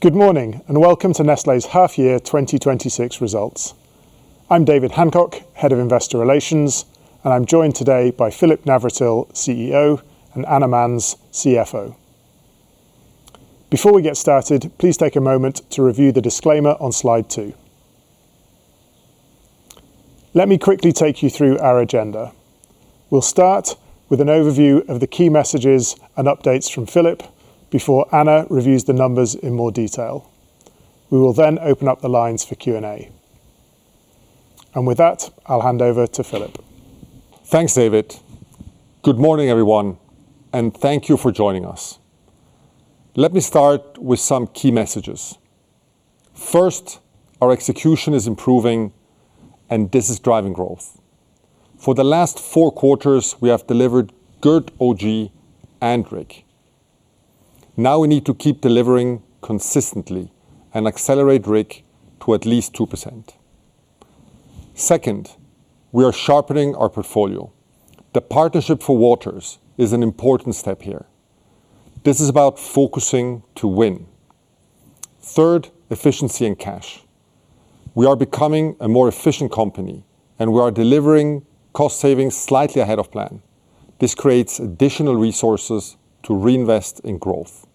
Good morning, welcome to Nestlé's half year 2026 results. I'm David Hancock, Head of Investor Relations, and I'm joined today by Philipp Navratil, CEO, and Anna Manz, CFO. Before we get started, please take a moment to review the disclaimer on slide 2. Let me quickly take you through our agenda. We'll start with an overview of the key messages and updates from Philipp before Anna reviews the numbers in more detail. We will open up the lines for Q&A. With that, I'll hand over to Philipp. Thanks, David. Good morning, everyone, and thank you for joining us. Let me start with some key messages. First, our execution is improving, and this is driving growth. For the last four quarters, we have delivered good OG and RIG. Now we need to keep delivering consistently and accelerate RIG to at least 2%. Second, we are sharpening our portfolio. The partnership for Waters is an important step here. This is about focusing to win. Third, efficiency and cash. We are becoming a more efficient company, and we are delivering cost savings slightly ahead of plan. This creates additional resources to reinvest in growth.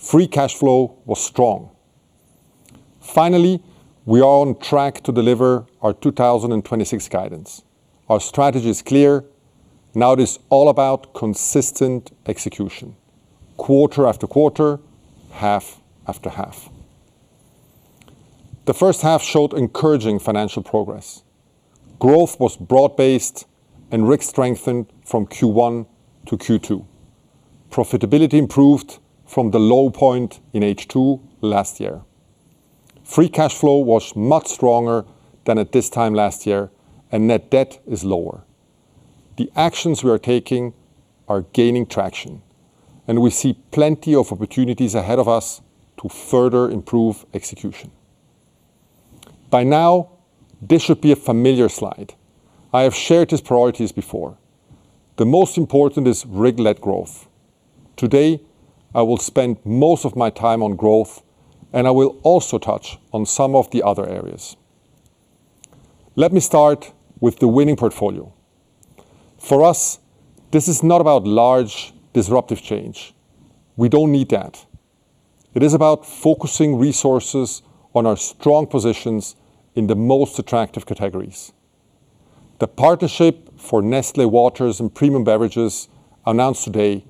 Free cash flow was strong. Finally, we are on track to deliver our 2026 guidance. Our strategy is clear. Now it is all about consistent execution, quarter after quarter, half after half. The first half showed encouraging financial progress. Growth was broad based, and RIG strengthened from Q1 to Q2. Profitability improved from the low point in H2 last year. Free cash flow was much stronger than at this time last year, and net debt is lower. The actions we are taking are gaining traction, and we see plenty of opportunities ahead of us to further improve execution. By now, this should be a familiar slide. I have shared these priorities before. The most important is RIG-led growth. Today, I will spend most of my time on growth, and I will also touch on some of the other areas. Let me start with the winning portfolio. For us, this is not about large, disruptive change. We don't need that. It is about focusing resources on our strong positions in the most attractive categories. The partnership for Nestlé Waters & Premium Beverages announced today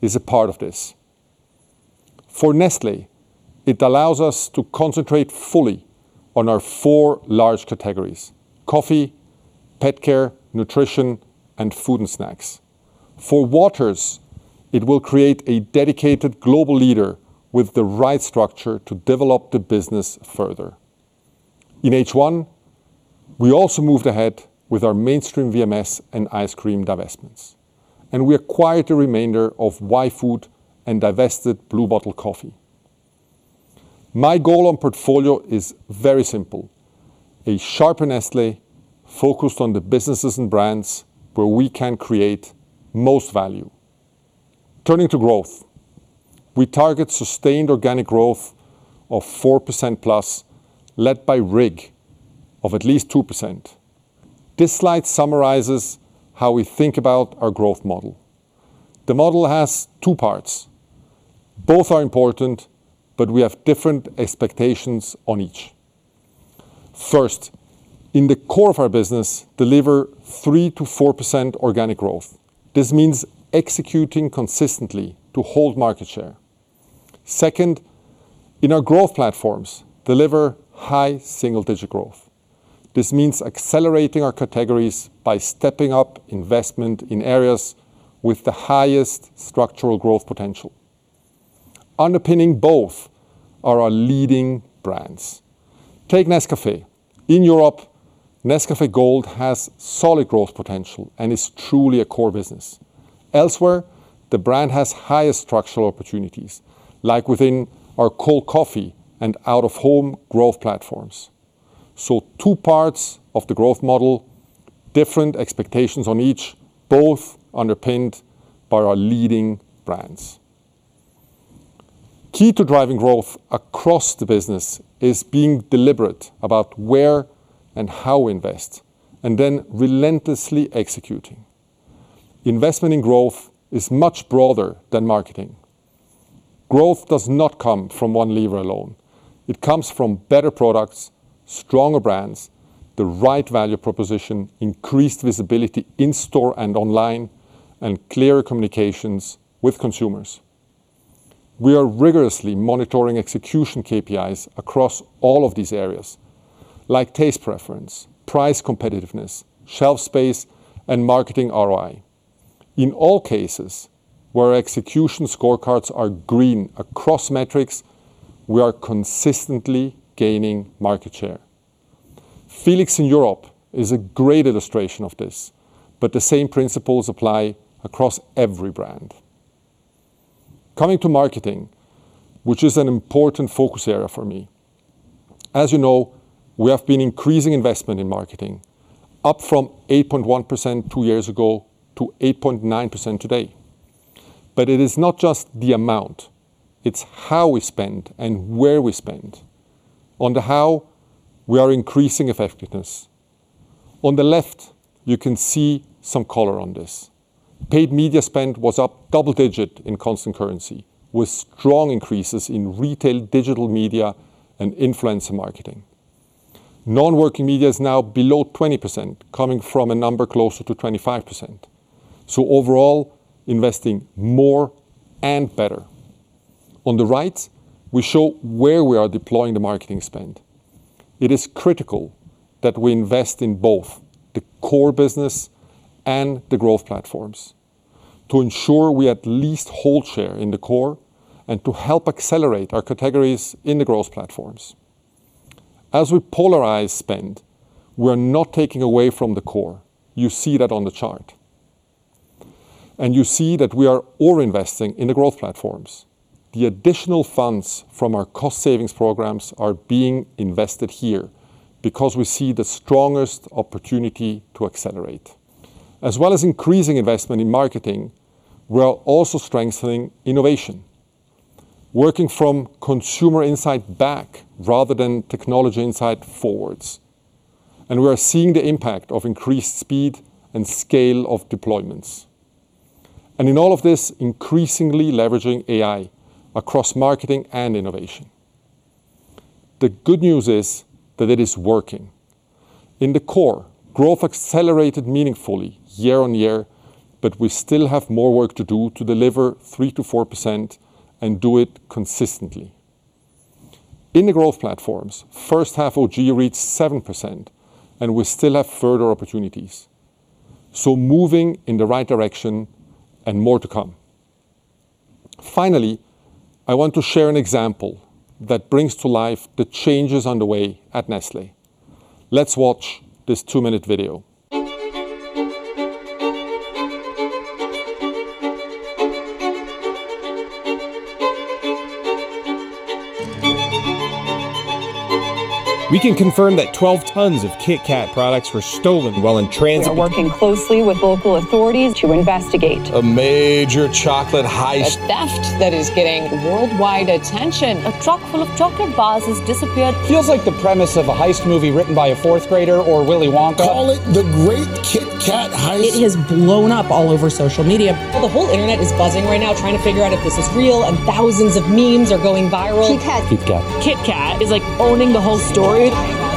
is a part of this. For Nestlé, it allows us to concentrate fully on our four large categories, coffee, pet care, nutrition, and food and snacks. For Waters, it will create a dedicated global leader with the right structure to develop the business further. In H1, we also moved ahead with our mainstream VMS and ice cream divestments, and we acquired the remainder of yfood and divested Blue Bottle Coffee. My goal on portfolio is very simple, a sharper Nestlé focused on the businesses and brands where we can create most value. Turning to growth. We target sustained organic growth of 4% plus, led by RIG of at least 2%. This slide summarizes how we think about our growth model. The model has two parts. Both are important, but we have different expectations on each. First, in the core of our business, deliver 3%-4% organic growth. This means executing consistently to hold market share. Second, in our growth platforms, deliver high single-digit growth. This means accelerating our categories by stepping up investment in areas with the highest structural growth potential. Underpinning both are our leading brands. Take Nescafé. In Europe, Nescafé Gold has solid growth potential and is truly a core business. Elsewhere, the brand has higher structural opportunities, like within our cold coffee and out-of-home growth platforms. Two parts of the growth model, different expectations on each, both underpinned by our leading brands. Key to driving growth across the business is being deliberate about where and how we invest, and then relentlessly executing. Investment in growth is much broader than marketing. Growth does not come from one lever alone. It comes from better products, stronger brands, the right value proposition, increased visibility in store and online, and clearer communications with consumers. We are rigorously monitoring execution KPIs across all of these areas, like taste preference, price competitiveness, shelf space, and marketing ROI. In all cases, where execution scorecards are green across metrics, we are consistently gaining market share. Felix in Europe is a great illustration of this, but the same principles apply across every brand. Coming to marketing, which is an important focus area for me. As you know, we have been increasing investment in marketing up from 8.1% two years ago to 8.9% today. It is not just the amount, it's how we spend and where we spend. On the how, we are increasing effectiveness. On the left, you can see some color on this. Paid media spend was up double digit in constant currency, with strong increases in retail, digital media, and influencer marketing. Non-working media is now below 20%, coming from a number closer to 25%. Overall, investing more and better. On the right, we show where we are deploying the marketing spend. It is critical that we invest in both the core business and the growth platforms to ensure we at least hold share in the core and to help accelerate our categories in the growth platforms. As we polarize spend, we're not taking away from the core. You see that on the chart. You see that we are over-investing in the growth platforms. The additional funds from our cost savings programs are being invested here because we see the strongest opportunity to accelerate. As well as increasing investment in marketing, we are also strengthening innovation, working from consumer insight back rather than technology insight forwards. We are seeing the impact of increased speed and scale of deployments. In all of this, increasingly leveraging AI across marketing and innovation. The good news is that it is working. In the core, growth accelerated meaningfully year-on-year, but we still have more work to do to deliver 3%-4% and do it consistently. In the growth platforms, first half, OG reached 7%, and we still have further opportunities. Moving in the right direction and more to come. Finally, I want to share an example that brings to life the changes underway at Nestlé. Let's watch this two-minute video. We can confirm that 12 tons of KitKat products were stolen while in transit. We are working closely with local authorities to investigate. A major chocolate heist. A theft that is getting worldwide attention. A truck full of chocolate bars has disappeared. Feels like the premise of a heist movie written by a fourth grader or Willy Wonka. Call it the great KitKat heist. It has blown up all over social media. Well, the whole internet is buzzing right now trying to figure out if this is real, and thousands of memes are going viral. Kit Kat. Kit Kat. Kit Kat is owning the whole story. This morning, Kit Kat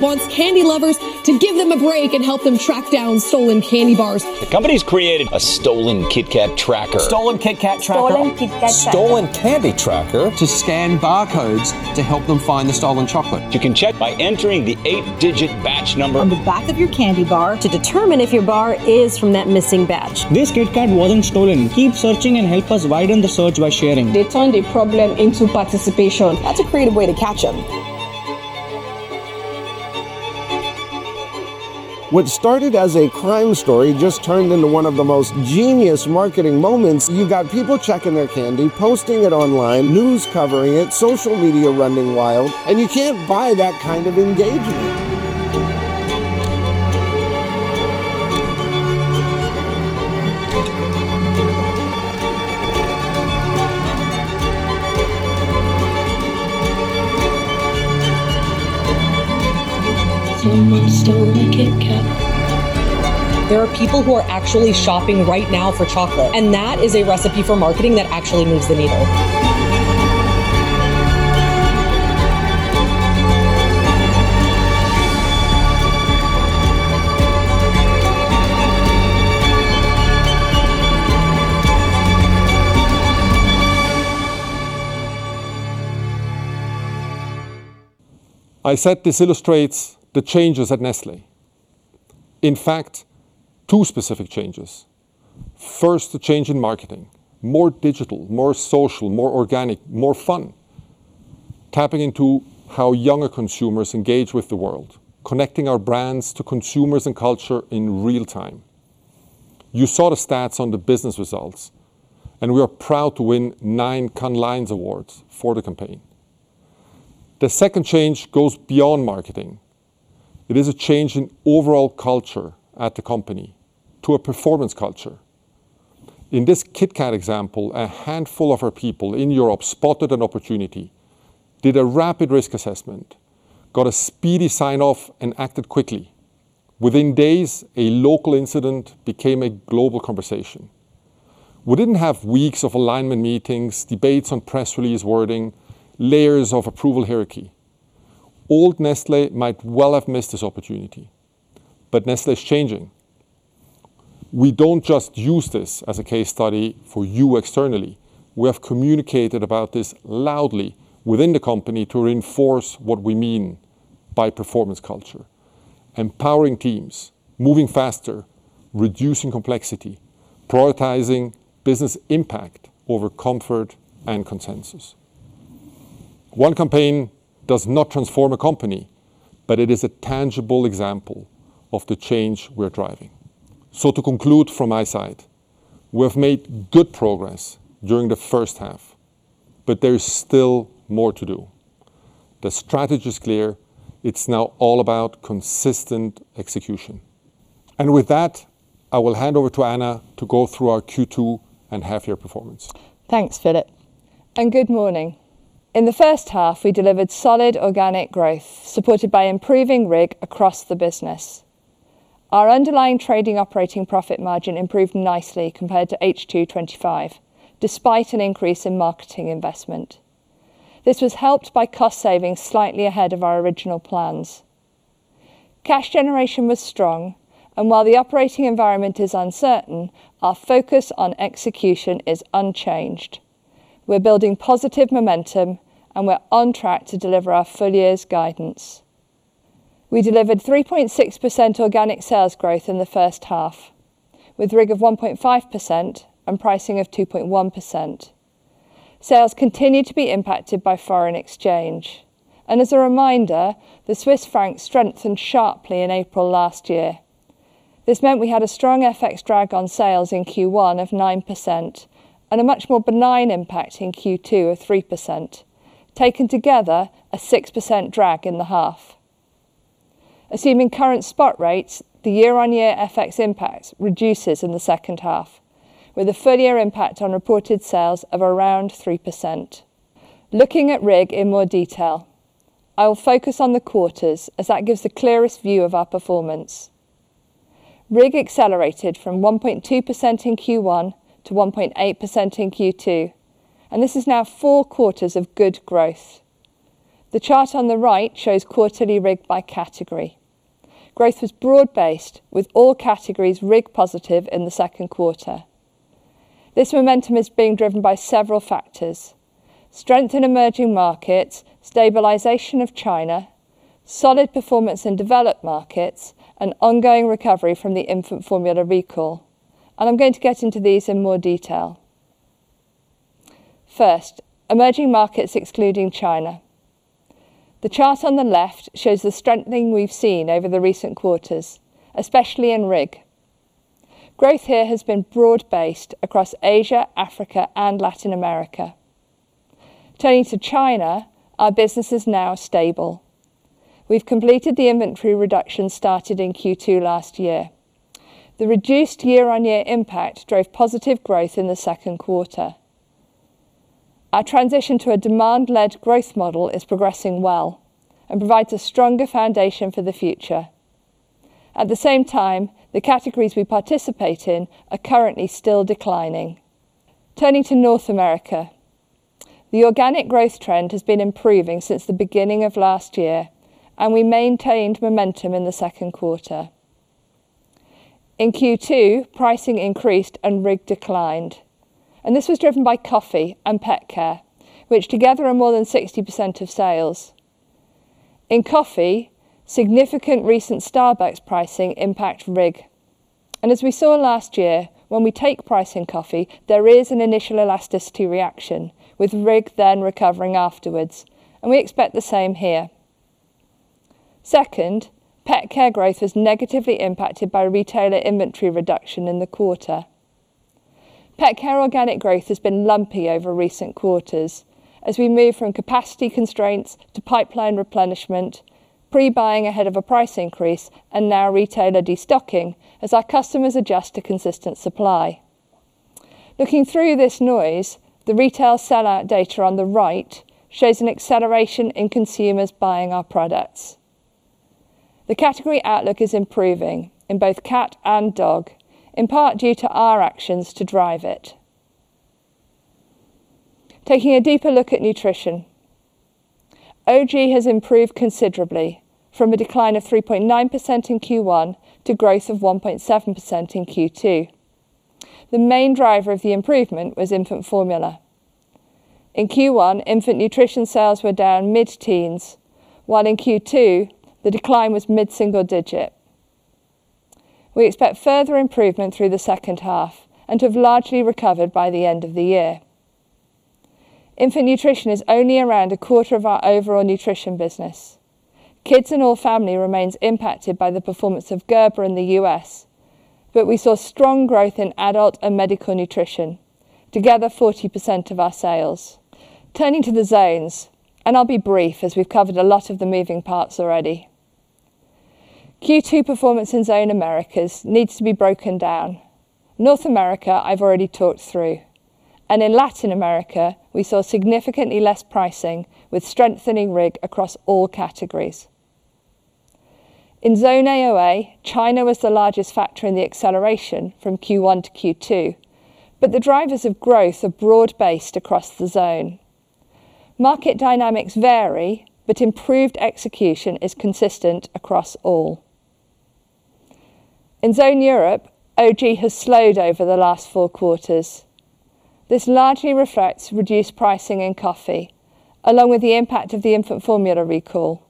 wants candy lovers to give them a break and help them track down stolen candy bars. The company's created a stolen KitKat tracker. Stolen KitKat tracker. Stolen KitKat tracker. Stolen candy tracker. To scan barcodes to help them find the stolen chocolate. You can check by entering the eight-digit batch number. On the back of your candy bar to determine if your bar is from that missing batch. This Kit Kat wasn't stolen. Keep searching and help us widen the search by sharing. They turned a problem into participation. That's a creative way to catch them. What started as a crime story just turned into one of the most genius marketing moments. You've got people checking their candy, posting it online, news covering it, social media running wild, you can't buy that kind of engagement. Someone stole my KitKat. There are people who are actually shopping right now for chocolate, that is a recipe for marketing that actually moves the needle. I said this illustrates the changes at Nestlé. In fact, two specific changes. First, the change in marketing. More digital, more social, more organic, more fun. Tapping into how younger consumers engage with the world, connecting our brands to consumers and culture in real time. You saw the stats on the business results, and we are proud to win nine Cannes Lions awards for the campaign. The second change goes beyond marketing. It is a change in overall culture at the company to a performance culture. In this KitKat example, a handful of our people in Europe spotted an opportunity, did a rapid risk assessment, got a speedy sign-off, and acted quickly. Within days, a local incident became a global conversation. We didn't have weeks of alignment meetings, debates on press release wording, layers of approval hierarchy. Old Nestlé might well have missed this opportunity. Nestlé's changing. We don't just use this as a case study for you externally. We have communicated about this loudly within the company to reinforce what we mean by performance culture, empowering teams, moving faster, reducing complexity, prioritizing business impact over comfort and consensus. One campaign does not transform a company. It is a tangible example of the change we're driving. To conclude from my side, we have made good progress during the first half, but there is still more to do. The strategy is clear. It's now all about consistent execution. With that, I will hand over to Anna to go through our Q2 and half year performance. Thanks, Philipp, and good morning. In the first half, we delivered solid organic growth supported by improving RIG across the business. Our underlying trading operating profit margin improved nicely compared to H2 2025, despite an increase in marketing investment. This was helped by cost savings slightly ahead of our original plans. Cash generation was strong, and while the operating environment is uncertain, our focus on execution is unchanged. We're building positive momentum, and we're on track to deliver our full year's guidance. We delivered 3.6% organic sales growth in the first half, with RIG of 1.5% and pricing of 2.1%. Sales continue to be impacted by FX. As a reminder, the Swiss franc strengthened sharply in April last year. This meant we had a strong FX drag on sales in Q1 of 9% and a much more benign impact in Q2 of 3%. Taken together, a 6% drag in the half. Assuming current spot rates, the year-on-year FX impact reduces in the second half with a full year impact on reported sales of around 3%. Looking at RIG in more detail, I will focus on the quarters as that gives the clearest view of our performance. RIG accelerated from 1.2% in Q1 to 1.8% in Q2, and this is now four quarters of good growth. The chart on the right shows quarterly RIG by category. Growth was broad-based with all categories RIG positive in the second quarter. This momentum is being driven by several factors: strength in emerging markets, stabilization of China, solid performance in developed markets, and ongoing recovery from the infant formula recall. I'm going to get into these in more detail. First, emerging markets excluding China. The chart on the left shows the strengthening we've seen over the recent quarters, especially in RIG. Growth here has been broad-based across Asia, Africa, and Latin America. Turning to China, our business is now stable. We've completed the inventory reduction started in Q2 last year. The reduced year-on-year impact drove positive growth in the second quarter. Our transition to a demand-led growth model is progressing well and provides a stronger foundation for the future. At the same time, the categories we participate in are currently still declining. Turning to North America, the organic growth trend has been improving since the beginning of last year, we maintained momentum in the second quarter. In Q2, pricing increased RIG declined, this was driven by coffee and pet care, which together are more than 60% of sales. In coffee, significant recent Starbucks pricing impact RIG. As we saw last year, when we take price in coffee, there is an initial elasticity reaction with RIG then recovering afterwards, we expect the same here. Second, pet care growth was negatively impacted by retailer inventory reduction in the quarter. Pet care organic growth has been lumpy over recent quarters as we move from capacity constraints to pipeline replenishment, pre-buying ahead of a price increase, and now retailer destocking as our customers adjust to consistent supply. Looking through this noise, the retail sellout data on the right shows an acceleration in consumers buying our products. The category outlook is improving in both cat and dog, in part due to our actions to drive it. Taking a deeper look at nutrition, OG has improved considerably from a decline of 3.9% in Q1 to growth of 1.7% in Q2. The main driver of the improvement was infant formula. In Q1, infant nutrition sales were down mid-teens, while in Q2, the decline was mid-single digit. We expect further improvement through the second half and have largely recovered by the end of the year. Infant nutrition is only around a quarter of our overall nutrition business. Kids and all family remains impacted by the performance of Gerber in the U.S., we saw strong growth in adult and medical nutrition. Together, 40% of our sales. Turning to the zones, I'll be brief as we've covered a lot of the moving parts already. Q2 performance in Zone Americas needs to be broken down. North America, I've already talked through. In Latin America, we saw significantly less pricing with strengthening RIG across all categories. In Zone AOA, China was the largest factor in the acceleration from Q1 to Q2, the drivers of growth are broad-based across the zone. Market dynamics vary, improved execution is consistent across all. In Zone Europe, OG has slowed over the last four quarters. This largely reflects reduced pricing in coffee, along with the impact of the infant formula recall.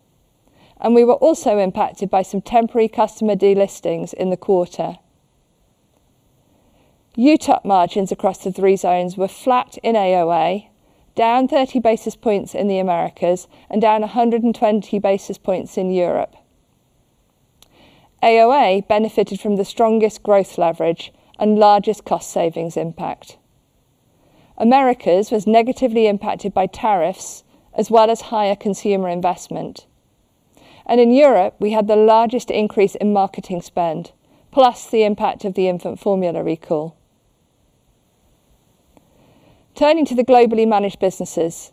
We were also impacted by some temporary customer de-listings in the quarter. UTOP margins across the three zones were flat in AOA, down 30 basis points in Zone Americas, down 120 basis points in Zone Europe. AOA benefited from the strongest growth leverage and largest cost savings impact. Zone Americas was negatively impacted by tariffs as well as higher consumer investment. In Zone Europe, we had the largest increase in marketing spend, plus the impact of the infant formula recall. Turning to the globally managed businesses.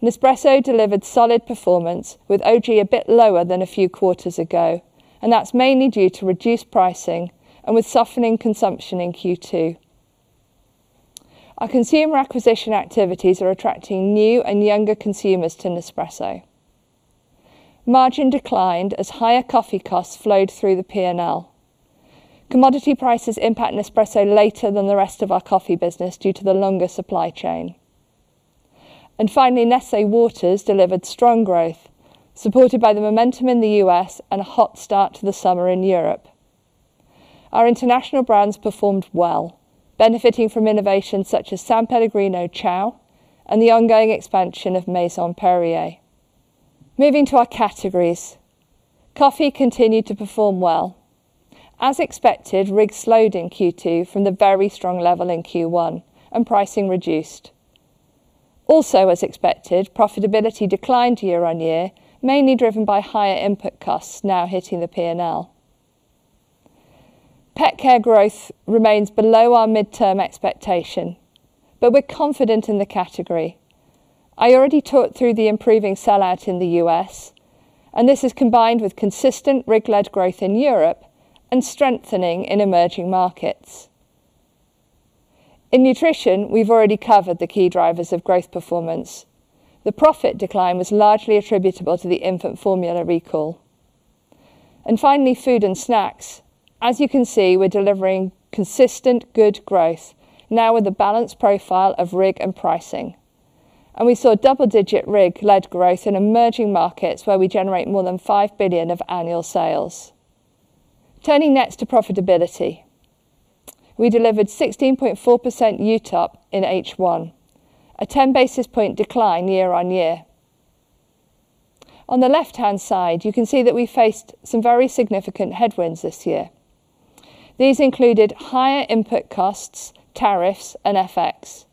Nespresso delivered solid performance with OG a bit lower than a few quarters ago, that's mainly due to reduced pricing with softening consumption in Q2. Our consumer acquisition activities are attracting new and younger consumers to Nespresso. Margin declined as higher coffee costs flowed through the P&L. Commodity prices impact Nespresso later than the rest of our coffee business due to the longer supply chain. Finally, Nestlé Waters delivered strong growth, supported by the momentum in the U.S. and a hot start to the summer in Europe. Our international brands performed well, benefiting from innovations such as Sanpellegrino Ciao! and the ongoing expansion of Maison Perrier. Moving to our categories. Coffee continued to perform well. As expected, RIG slowed in Q2 from the very strong level in Q1. Pricing reduced. Also, as expected, profitability declined year-over-year, mainly driven by higher input costs now hitting the P&L. Pet care growth remains below our midterm expectation, but we're confident in the category. I already talked through the improving sell-out in the U.S. This is combined with consistent RIG-led growth in Europe and strengthening in emerging markets. In nutrition, we've already covered the key drivers of growth performance. The profit decline was largely attributable to the infant formula recall. Finally, food and snacks. As you can see, we're delivering consistent good growth, now with a balanced profile of RIG and pricing. We saw double-digit RIG-led growth in emerging markets where we generate more than 5 billion of annual sales. Turning next to profitability. We delivered 16.4% UTOP in H1, a 10 basis point decline year-over-year. On the left-hand side, you can see that we faced some very significant headwinds this year. These included higher input costs, tariffs, and FX.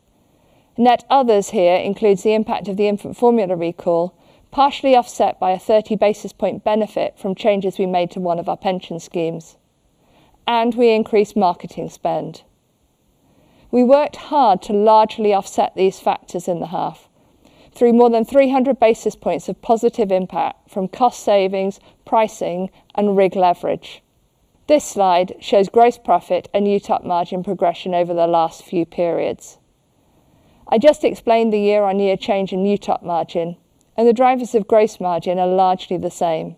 Net others here includes the impact of the infant formula recall, partially offset by a 30 basis point benefit from changes we made to one of our pension schemes. We increased marketing spend. We worked hard to largely offset these factors in the half through more than 300 basis points of positive impact from cost savings, pricing, and RIG leverage. This slide shows gross profit and UTOP margin progression over the last few periods. I just explained the year-over-year change in UTOP margin. The drivers of gross margin are largely the same.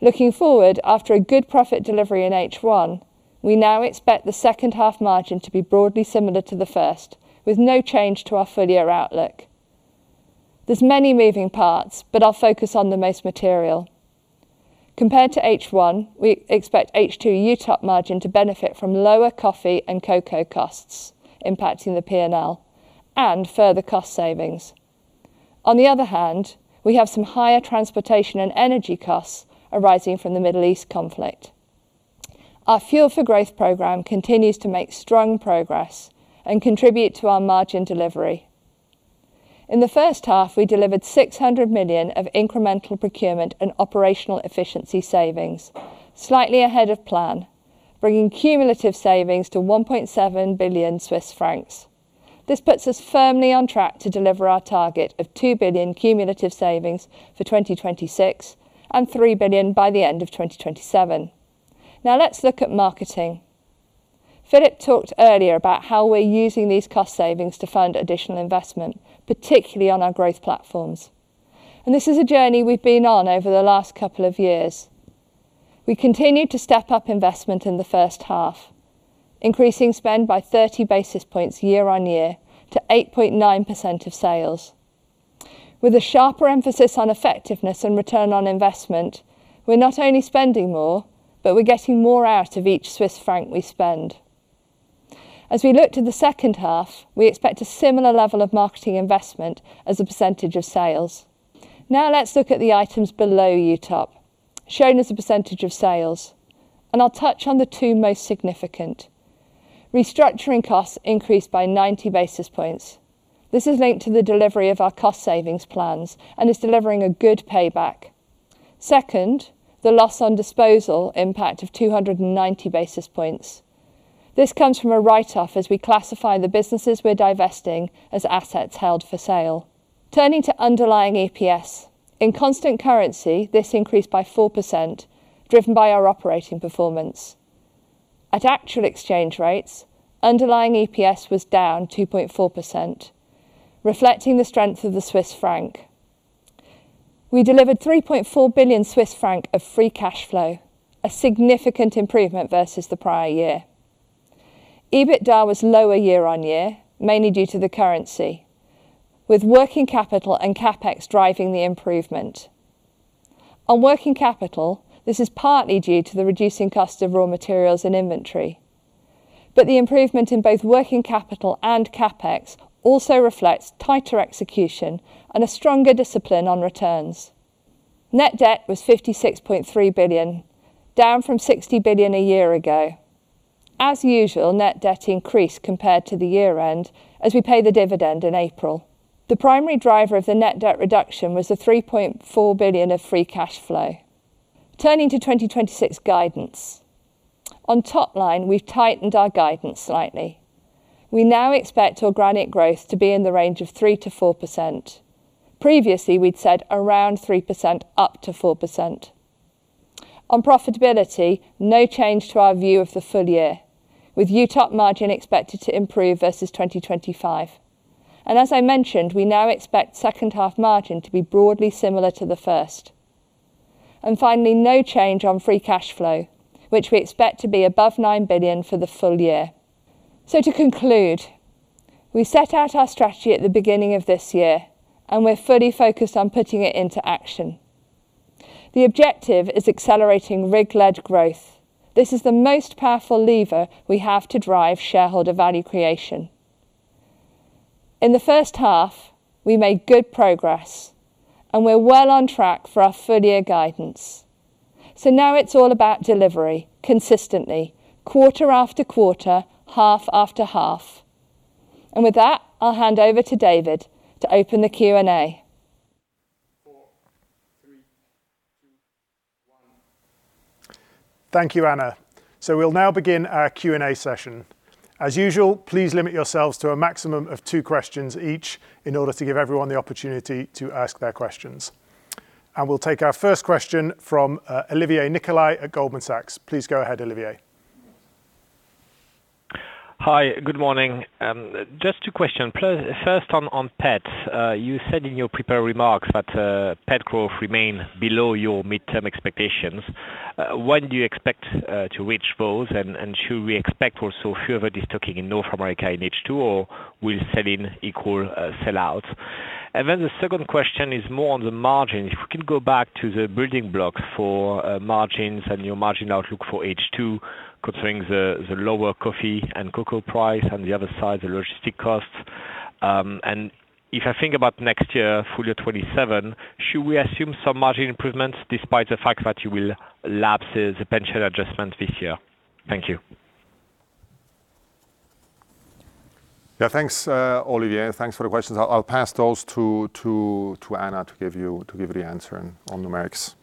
Looking forward, after a good profit delivery in H1, we now expect the second half margin to be broadly similar to the first, with no change to our full-year outlook. There's many moving parts, but I'll focus on the most material. Compared to H1, we expect H2 UTOP margin to benefit from lower coffee and cocoa costs impacting the P&L. Further cost savings. On the other hand, we have some higher transportation and energy costs arising from the Middle East conflict. Our Fuel for Growth program continues to make strong progress and contribute to our margin delivery. In the first half, we delivered 600 million of incremental procurement and operational efficiency savings, slightly ahead of plan, bringing cumulative savings to 1.7 billion Swiss francs. This puts us firmly on track to deliver our target of 2 billion cumulative savings for 2026 and 3 billion by the end of 2027. Now let's look at marketing. Philipp talked earlier about how we're using these cost savings to fund additional investment, particularly on our growth platforms. This is a journey we've been on over the last couple of years. We continued to step up investment in the first half, increasing spend by 30 basis points year-on-year to 8.9% of sales. With a sharper emphasis on effectiveness and return on investment, we're not only spending more, but we're getting more out of each CHF we spend. As we look to the second half, we expect a similar level of marketing investment as a percentage of sales. Let's look at the items below UTOP, shown as a percentage of sales. I'll touch on the two most significant. Restructuring costs increased by 90 basis points. This is linked to the delivery of our cost savings plans and is delivering a good payback. Second, the loss on disposal impact of 290 basis points. This comes from a write-off as we classify the businesses we're divesting as assets held for sale. Turning to underlying EPS. In constant currency, this increased by 4%, driven by our operating performance. At actual exchange rates, underlying EPS was down 2.4%, reflecting the strength of the CHF. We delivered 3.4 billion Swiss franc of free cash flow, a significant improvement versus the prior year. EBITDA was lower year-on-year, mainly due to the currency, with working capital and CapEx driving the improvement. On working capital, this is partly due to the reducing cost of raw materials and inventory, but the improvement in both working capital and CapEx also reflects tighter execution and a stronger discipline on returns. Net debt was 56.3 billion, down from 60 billion a year ago. As usual, net debt increased compared to the year-end as we pay the dividend in April. The primary driver of the net debt reduction was the 3.4 billion of free cash flow. Turning to 2026 guidance. On top line, we've tightened our guidance slightly. We now expect organic growth to be in the range of 3%-4%. Previously, we'd said around 3% up to 4%. On profitability, no change to our view of the full year, with UTOP margin expected to improve versus 2025. As I mentioned, we now expect second half margin to be broadly similar to the first. Finally, no change on free cash flow, which we expect to be above 9 billion for the full year. To conclude, we set out our strategy at the beginning of this year, and we're fully focused on putting it into action. The objective is accelerating RIG-led growth. This is the most powerful lever we have to drive shareholder value creation. In the first half, we made good progress and we're well on track for our full year guidance. Now it's all about delivery consistently, quarter after quarter, half after half. With that, I'll hand over to David to open the Q&A. Thank you, Anna. We'll now begin our Q&A session. As usual, please limit yourselves to a maximum of two questions each in order to give everyone the opportunity to ask their questions. We'll take our first question from Olivier Nicolaï at Goldman Sachs. Please go ahead, Olivier. Hi. Good morning. Just two question. First, on pet, you said in your prepared remarks that pet growth remain below your midterm expectations. When do you expect to reach those? Should we expect also further destocking in North America in H2, or will sell-in equal sellout? The second question is more on the margin. If we can go back to the building block for margins and your margin outlook for H2, considering the lower coffee and cocoa price and the other side, the logistic costs. If I think about next year, full year 2027, should we assume some margin improvements despite the fact that you will lapse the pension adjustment this year? Thank you. Yeah, thanks, Olivier. Thanks for the questions. I'll pass those to Anna to give the answer on numeric.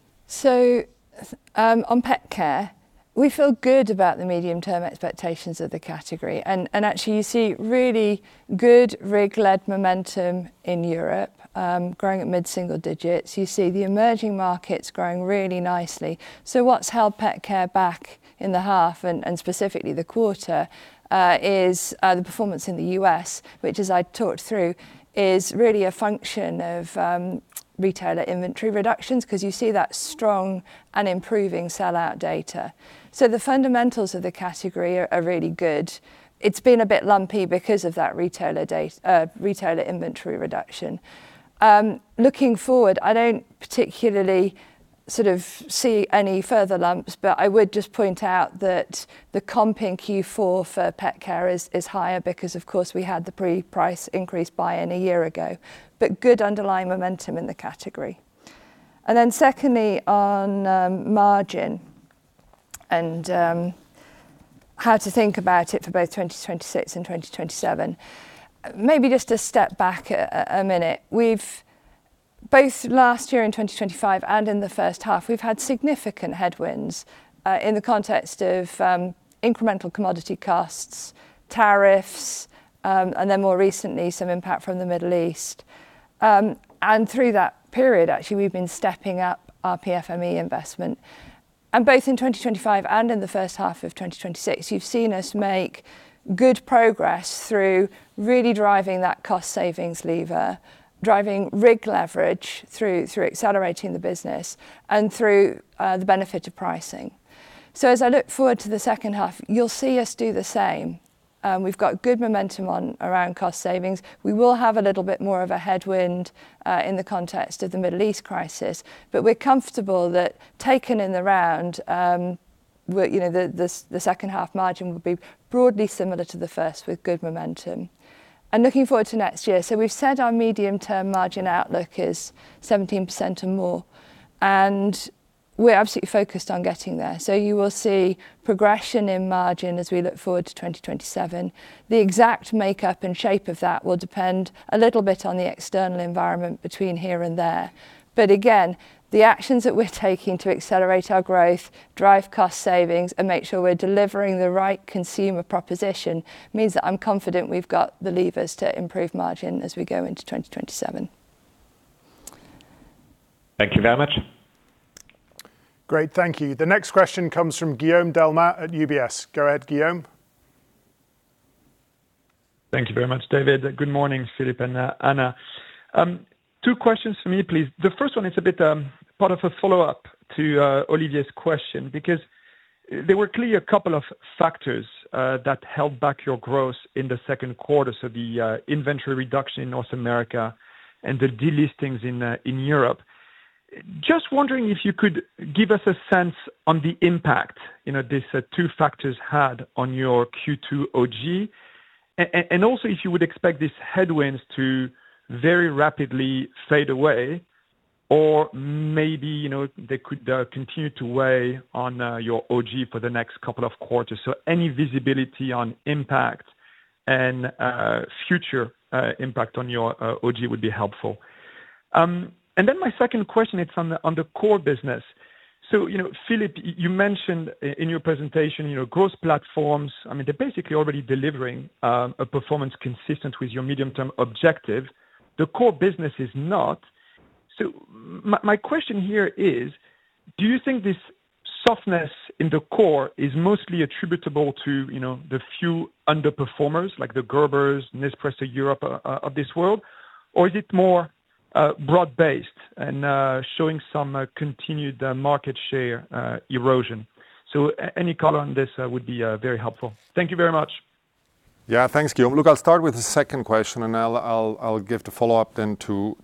On pet care, we feel good about the medium-term expectations of the category, and actually you see really good RIG-led momentum in Europe, growing at mid-single digits. You see the emerging markets growing really nicely. What's held pet care back in the half and specifically the quarter, is the performance in the U.S., which as I talked through, is really a function of retailer inventory reductions, because you see that strong and improving sellout data. The fundamentals of the category are really good. It's been a bit lumpy because of that retailer inventory reduction. Looking forward, I don't particularly sort of see any further lumps, but I would just point out that the comp in Q4 for pet care is higher because of course, we had the pre-price increase buy-in a year ago. Good underlying momentum in the category. Secondly, on margin and how to think about it for both 2026 and 2027. Maybe just to step back a minute. Both last year in 2025 and in the first half, we've had significant headwinds, in the context of incremental commodity costs, tariffs, and then more recently, some impact from the Middle East. Through that period, actually, we've been stepping up our PFME investment. Both in 2025 and in the first half of 2026, you've seen us make good progress through really driving that cost savings lever, driving RIG leverage through accelerating the business and through the benefit of pricing. As I look forward to the second half, you'll see us do the same. We've got good momentum around cost savings. We will have a little bit more of a headwind in the context of the Middle East crisis. We're comfortable that taken in the round, the second half margin will be broadly similar to the first with good momentum. Looking forward to next year, we've said our medium-term margin outlook is 17% or more, and we're absolutely focused on getting there. You will see progression in margin as we look forward to 2027. The exact makeup and shape of that will depend a little bit on the external environment between here and there. Again, the actions that we're taking to accelerate our growth, drive cost savings, and make sure we're delivering the right consumer proposition means that I'm confident we've got the levers to improve margin as we go into 2027. Thank you very much. Great. Thank you. The next question comes from Guillaume Delmas at UBS. Go ahead, Guillaume. Thank you very much, David. Good morning, Philipp and Anna. Two questions for me, please. The first one is a bit part of a follow-up to Olivier's question. There were clearly a couple of factors that held back your growth in the second quarter, so the inventory reduction in North America and the de-listings in Europe. Just wondering if you could give us a sense on the impact these two factors had on your Q2 OG. If you would expect these headwinds to very rapidly fade away, or maybe they could continue to weigh on your OG for the next couple of quarters. Any visibility on impact and future impact on your OG would be helpful. My second question is on the core business. Philipp, you mentioned in your presentation, growth platforms, they're basically already delivering a performance consistent with your medium-term objective. The core business is not. My question here is, do you think this softness in the core is mostly attributable to the few underperformers, like the Gerbers, Nespresso Europe of this world? Is it more broad-based and showing some continued market share erosion? Any color on this would be very helpful. Thank you very much. Thanks, Guillaume. Look, I'll start with the second question. I'll give the follow-up then to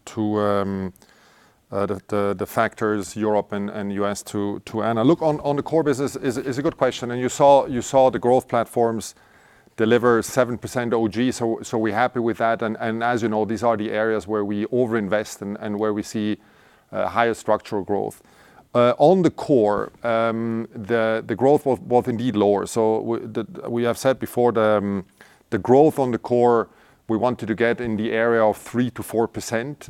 the factors Europe and U.S. to Anna. Look, on the core business is a good question. You saw the growth platforms deliver 7% OG. We're happy with that. As you know, these are the areas where we over-invest and where we see higher structural growth. On the core, the growth was indeed lower. We have said before, the growth on the core, we wanted to get in the area of 3%-4%.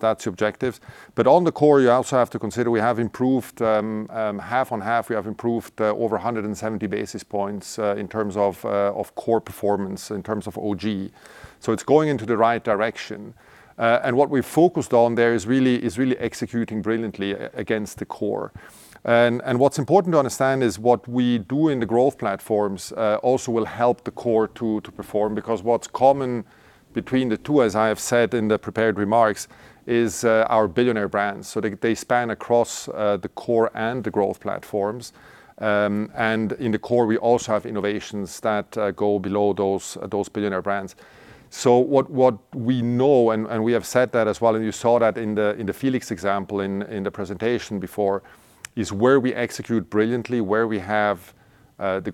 That's the objective. On the core, you also have to consider we have improved half on half. We have improved over 170 basis points in terms of core performance, in terms of OG. It's going into the right direction. What we've focused on there is really executing brilliantly against the core. What's important to understand is what we do in the growth platforms also will help the core to perform, because what's common between the two, as I have said in the prepared remarks, is our billionaire brands. They span across the core and the growth platforms. In the core, we also have innovations that go below those billionaire brands. What we know, and we have said that as well, and you saw that in the Felix example in the presentation before, is where we execute brilliantly, where we have the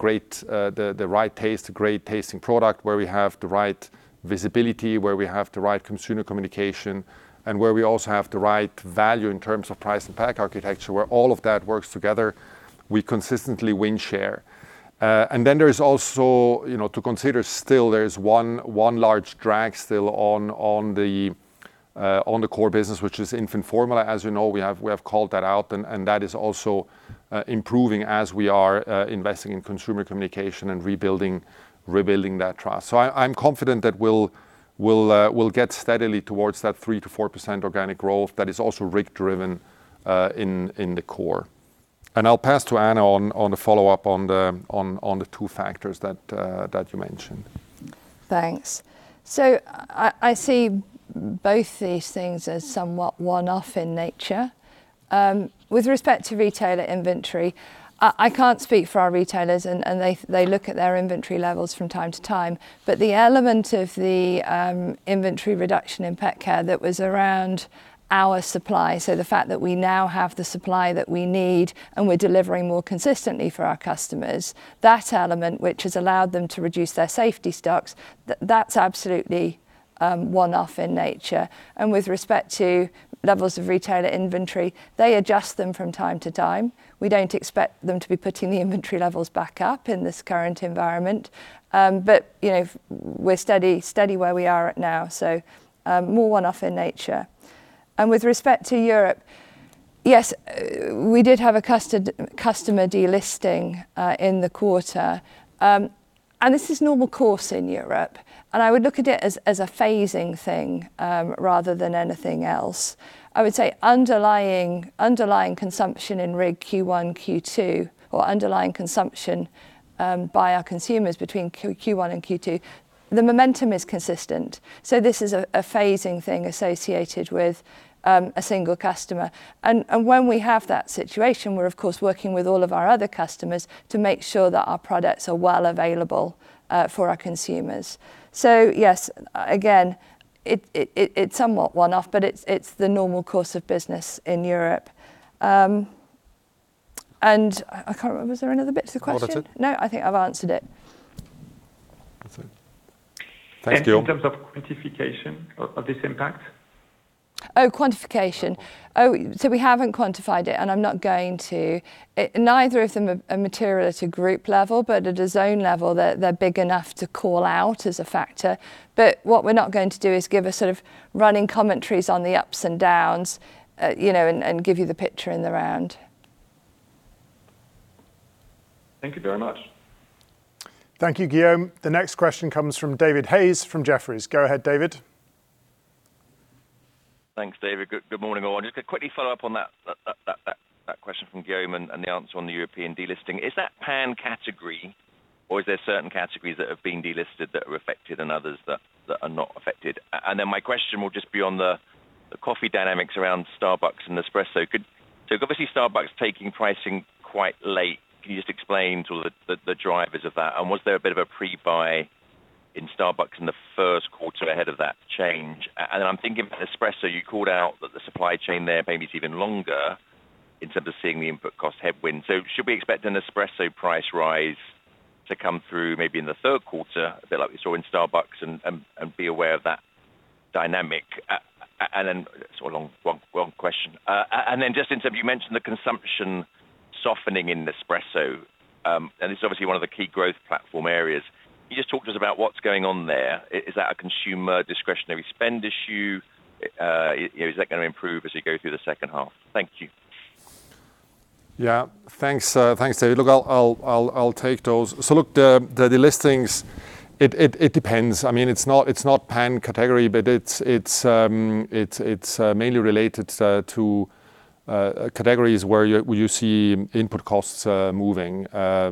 right taste, great-tasting product, where we have the right visibility, where we have the right consumer communication, and where we also have the right value in terms of price and pack architecture, where all of that works together, we consistently win share. Then there is also to consider still there is one large drag still on the core business, which is infant formula. As you know, we have called that out, and that is also improving as we are investing in consumer communication and rebuilding that trust. I'm confident that we'll get steadily towards that 3%-4% organic growth that is also RIG-driven in the core. I'll pass to Anna on the follow-up on the two factors that you mentioned. Thanks. I see both these things as somewhat one-off in nature. With respect to retailer inventory, I can't speak for our retailers, they look at their inventory levels from time to time. The element of the inventory reduction in pet care that was around our supply, so the fact that we now have the supply that we need and we're delivering more consistently for our customers, that element, which has allowed them to reduce their safety stocks, that's absolutely one-off in nature. With respect to levels of retailer inventory, they adjust them from time to time. We don't expect them to be putting the inventory levels back up in this current environment. We're steady where we are at now, so more one-off in nature. With respect to Europe, yes, we did have a customer delisting in the quarter. This is normal course in Europe, I would look at it as a phasing thing rather than anything else. I would say underlying consumption in RIG Q1, Q2 or underlying consumption by our consumers between Q1 and Q2, the momentum is consistent. This is a phasing thing associated with a single customer. When we have that situation, we're of course working with all of our other customers to make sure that our products are well available for our consumers. Yes, again, it's somewhat one-off, but it's the normal course of business in Europe. I can't remember, was there another bit to the question? No, that's it. No, I think I've answered it. That's it. Thanks, Guillaume. In terms of quantification of this impact? Quantification. We haven't quantified it, and I'm not going to. Neither of them are material at a group level, but at a zone level, they're big enough to call out as a factor. What we're not going to do is give a sort of running commentaries on the ups and downs, and give you the picture in the round. Thank you very much. Thank you, Guillaume. The next question comes from David Hayes from Jefferies. Go ahead, David. Thanks, David. Good morning, all. Just a quickly follow-up on that question from Guillaume and the answer on the European delisting. Is that pan category Or is there certain categories that have been delisted that are affected and others that are not affected? My question will just be on the coffee dynamics around Starbucks and Nespresso. Obviously, Starbucks taking pricing quite late. Can you just explain sort of the drivers of that? Was there a bit of a pre-buy in Starbucks in the first quarter ahead of that change? I'm thinking about Nespresso, you called out that the supply chain there maybe is even longer in terms of seeing the input cost headwind. Should we expect an Nespresso price rise to come through maybe in the third quarter, a bit like we saw in Starbucks, and be aware of that dynamic? Sorry, one question. Just in terms, you mentioned the consumption softening in Nespresso, and this is obviously one of the key growth platform areas. Can you just talk to us about what's going on there? Is that a consumer discretionary spend issue? Is that going to improve as you go through the second half? Thank you. Thanks, David. Look, I'll take those. Look, the de-listings, it depends. It's not pan-category, but it's mainly related to categories where you see input costs moving,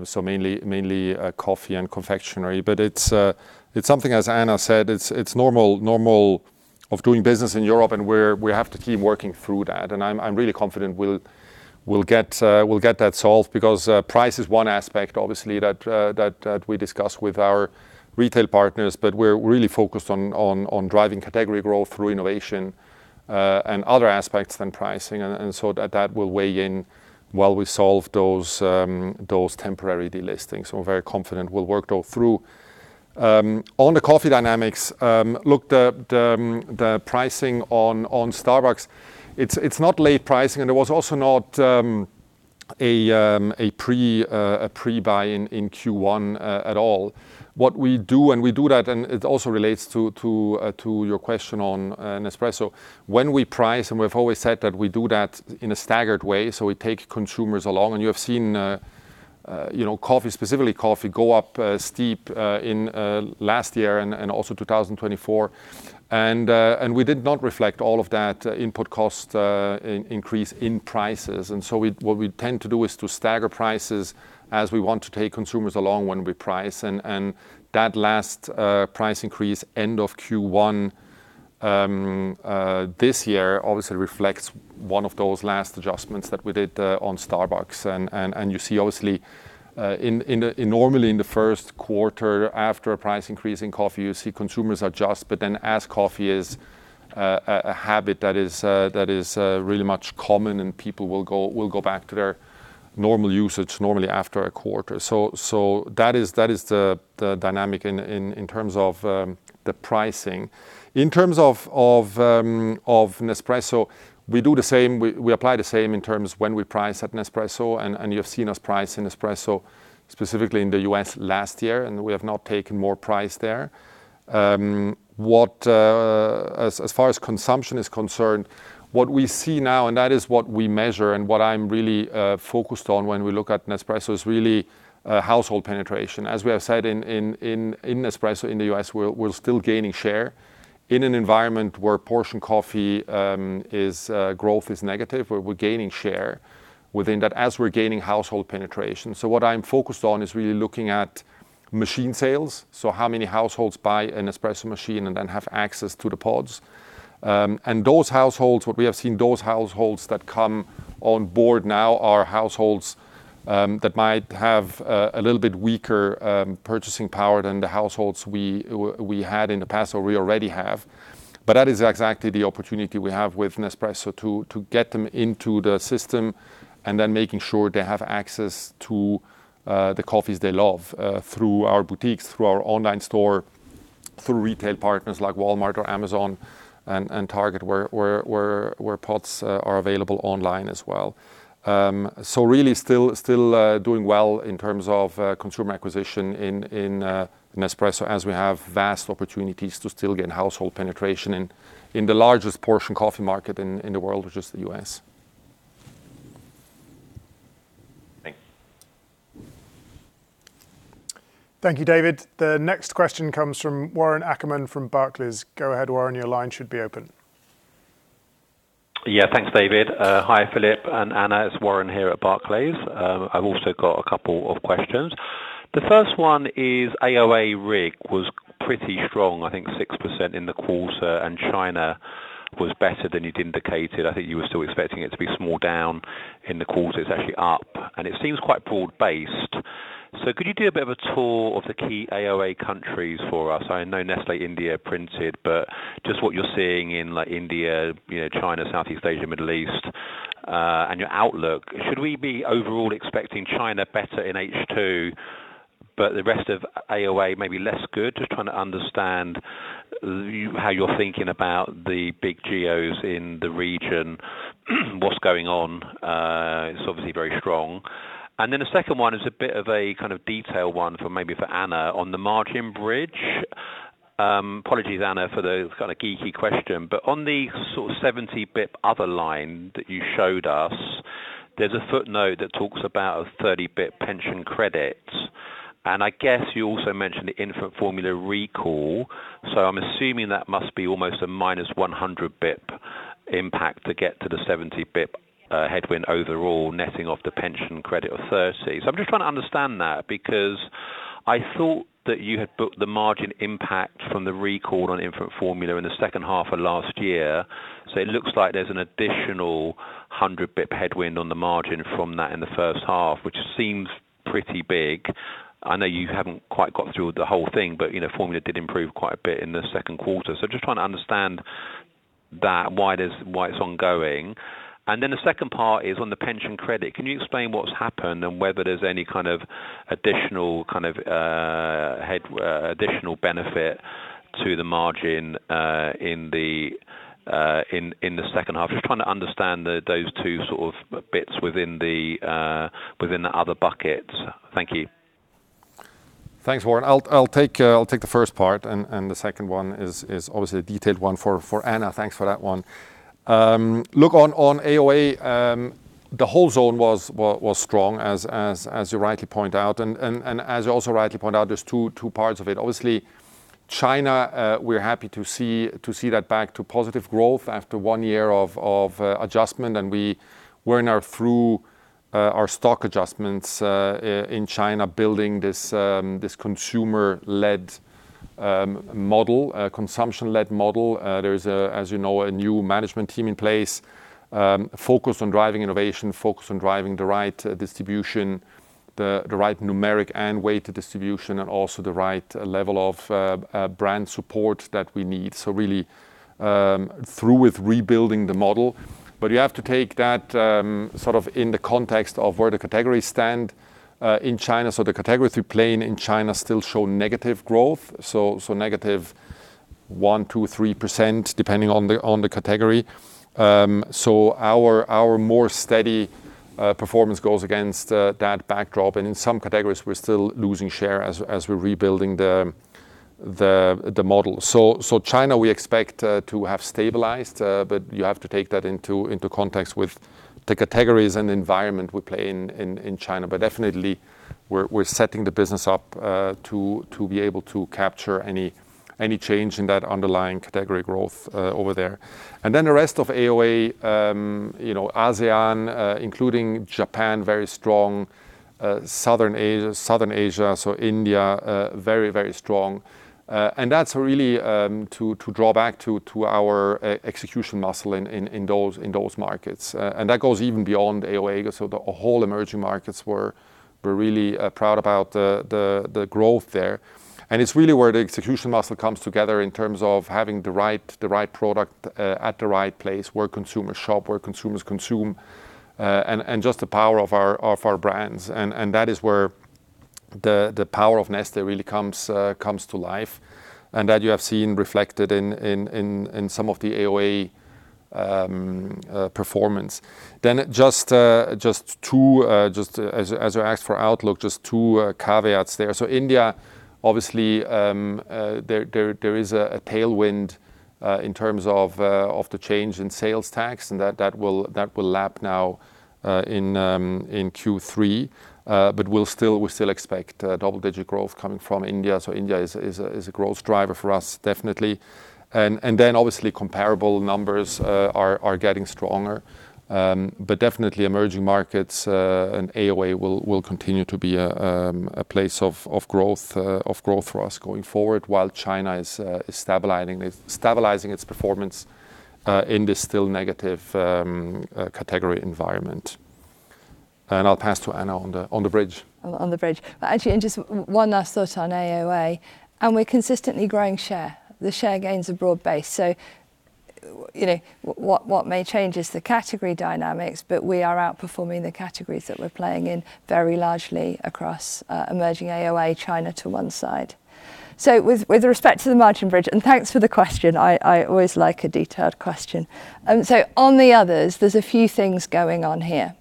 so mainly coffee and confectionery. It's something, as Anna said, it's normal of doing business in Europe, and we have to keep working through that. I'm really confident we'll get that solved, because price is one aspect, obviously, that we discuss with our retail partners. We're really focused on driving category growth through innovation, and other aspects than pricing. That will weigh in while we solve those temporary de-listings. We're very confident we'll work those through. On the coffee dynamics, look, the pricing on Starbucks, it's not late pricing, and it was also not a pre-buy in Q1 at all. What we do, we do that, and it also relates to your question on Nespresso, when we price, and we've always said that we do that in a staggered way, so we take consumers along. You have seen coffee, specifically coffee, go up steep in last year and also 2024. We did not reflect all of that input cost increase in prices. What we tend to do is to stagger prices as we want to take consumers along when we price. That last price increase end of Q1 this year obviously reflects one of those last adjustments that we did on Starbucks. You see, obviously, normally in the first quarter after a price increase in coffee, you see consumers adjust, but then as coffee is a habit that is really much common, and people will go back to their normal usage normally after a quarter. That is the dynamic in terms of the pricing. In terms of Nespresso, we do the same. We apply the same in terms when we price at Nespresso, and you have seen us price in Nespresso, specifically in the U.S. last year, and we have not taken more price there. As far as consumption is concerned, what we see now, and that is what we measure and what I'm really focused on when we look at Nespresso, is really household penetration. We have said, in Nespresso in the U.S., we're still gaining share. In an environment where portion coffee growth is negative, where we're gaining share within that, as we're gaining household penetration. What I'm focused on is really looking at machine sales, how many households buy an Nespresso machine and then have access to the pods. Those households, what we have seen, those households that come on board now are households that might have a little bit weaker purchasing power than the households we had in the past or we already have. That is exactly the opportunity we have with Nespresso, to get them into the system and then making sure they have access to the coffees they love through our boutiques, through our online store, through retail partners like Walmart or Amazon and Target, where pods are available online as well. Really still doing well in terms of consumer acquisition in Nespresso as we have vast opportunities to still gain household penetration in the largest portion coffee market in the world, which is the U.S. Thank you. Thank you, David. The next question comes from Warren Ackerman from Barclays. Go ahead, Warren. Your line should be open. Thanks, David. Hi, Philipp and Anna. It's Warren here at Barclays. I've also got a couple of questions. The first one is AOA RIG was pretty strong, I think 6% in the quarter, and China was better than you'd indicated. I think you were still expecting it to be small down in the quarter. It's actually up, and it seems quite broad based. Could you do a bit of a tour of the key AOA countries for us? I know Nestlé India printed, but just what you're seeing in India, China, Southeast Asia, Middle East, and your outlook. Should we be overall expecting China better in H2, but the rest of AOA may be less good? Just trying to understand how you're thinking about the big geos in the region, what's going on. It's obviously very strong. The second one is a bit of a kind of detail one maybe for Anna on the margin bridge. Apologies, Anna, for the kind of geeky question, but on the sort of 70 basis points other line that you showed us, there's a footnote that talks about a 30 basis points pension credit, and I guess you also mentioned the infant formula recall, so I'm assuming that must be almost a minus 100 basis points impact to get to the 70 basis points headwind overall, netting off the pension credit of 30. I'm just trying to understand that, because I thought that you had booked the margin impact from the recall on infant formula in the second half of last year. It looks like there's an additional 100 basis points headwind on the margin from that in the first half, which seems pretty big. I know you haven't quite got through the whole thing, but formula did improve quite a bit in the second quarter. Just trying to understand that, why it's ongoing. The second part is on the pension credit. Can you explain what's happened and whether there's any additional benefit to the margin in the second half? Just trying to understand those two sort of bits within the other bucket. Thank you. Thanks, Warren. I'll take the first part, and the second one is obviously a detailed one for Anna. Thanks for that one. On AOA, the whole zone was strong, as you rightly point out. As you also rightly point out, there's two parts of it. Obviously, China, we're happy to see that back to positive growth after one year of adjustment, and we're now through our stock adjustments in China, building this consumer-led model, consumption-led model. There's, as you know, a new management team in place, focused on driving innovation, focused on driving the right distribution, the right numeric and weighted distribution, and also the right level of brand support that we need. Really through with rebuilding the model. You have to take that in the context of where the categories stand in China. The category we play in China still show negative growth, negative 1%, 2%, 3%, depending on the category. Our more steady performance goes against that backdrop. In some categories, we're still losing share as we're rebuilding the model. China, we expect to have stabilized, but you have to take that into context with the categories and environment we play in China. Definitely, we're setting the business up to be able to capture any change in that underlying category growth over there. The rest of AOA, ASEAN, including Japan, very strong. Southern Asia, India, very, very strong. That's really to draw back to our execution muscle in those markets. That goes even beyond AOA. The whole emerging markets, we're really proud about the growth there. It's really where the execution muscle comes together in terms of having the right product at the right place, where consumers shop, where consumers consume, and just the power of our brands. That is where the power of Nestlé really comes to life, and that you have seen reflected in some of the AOA performance. As you asked for outlook, just two caveats there. India, obviously, there is a tailwind in terms of the change in sales tax, and that will lap now in Q3. We still expect double-digit growth coming from India. India is a growth driver for us, definitely. Obviously comparable numbers are getting stronger. Definitely emerging markets and AOA will continue to be a place of growth for us going forward while China is stabilizing its performance in this still negative category environment. I'll pass to Anna on the bridge. On the bridge. Actually, just one last thought on AOA. We're consistently growing share. The share gains are broad based. What may change is the category dynamics, but we are outperforming the categories that we're playing in very largely across emerging AOA, China to one side. With respect to the margin bridge, thanks for the question. I always like a detailed question. On the others, there's a few things going on here.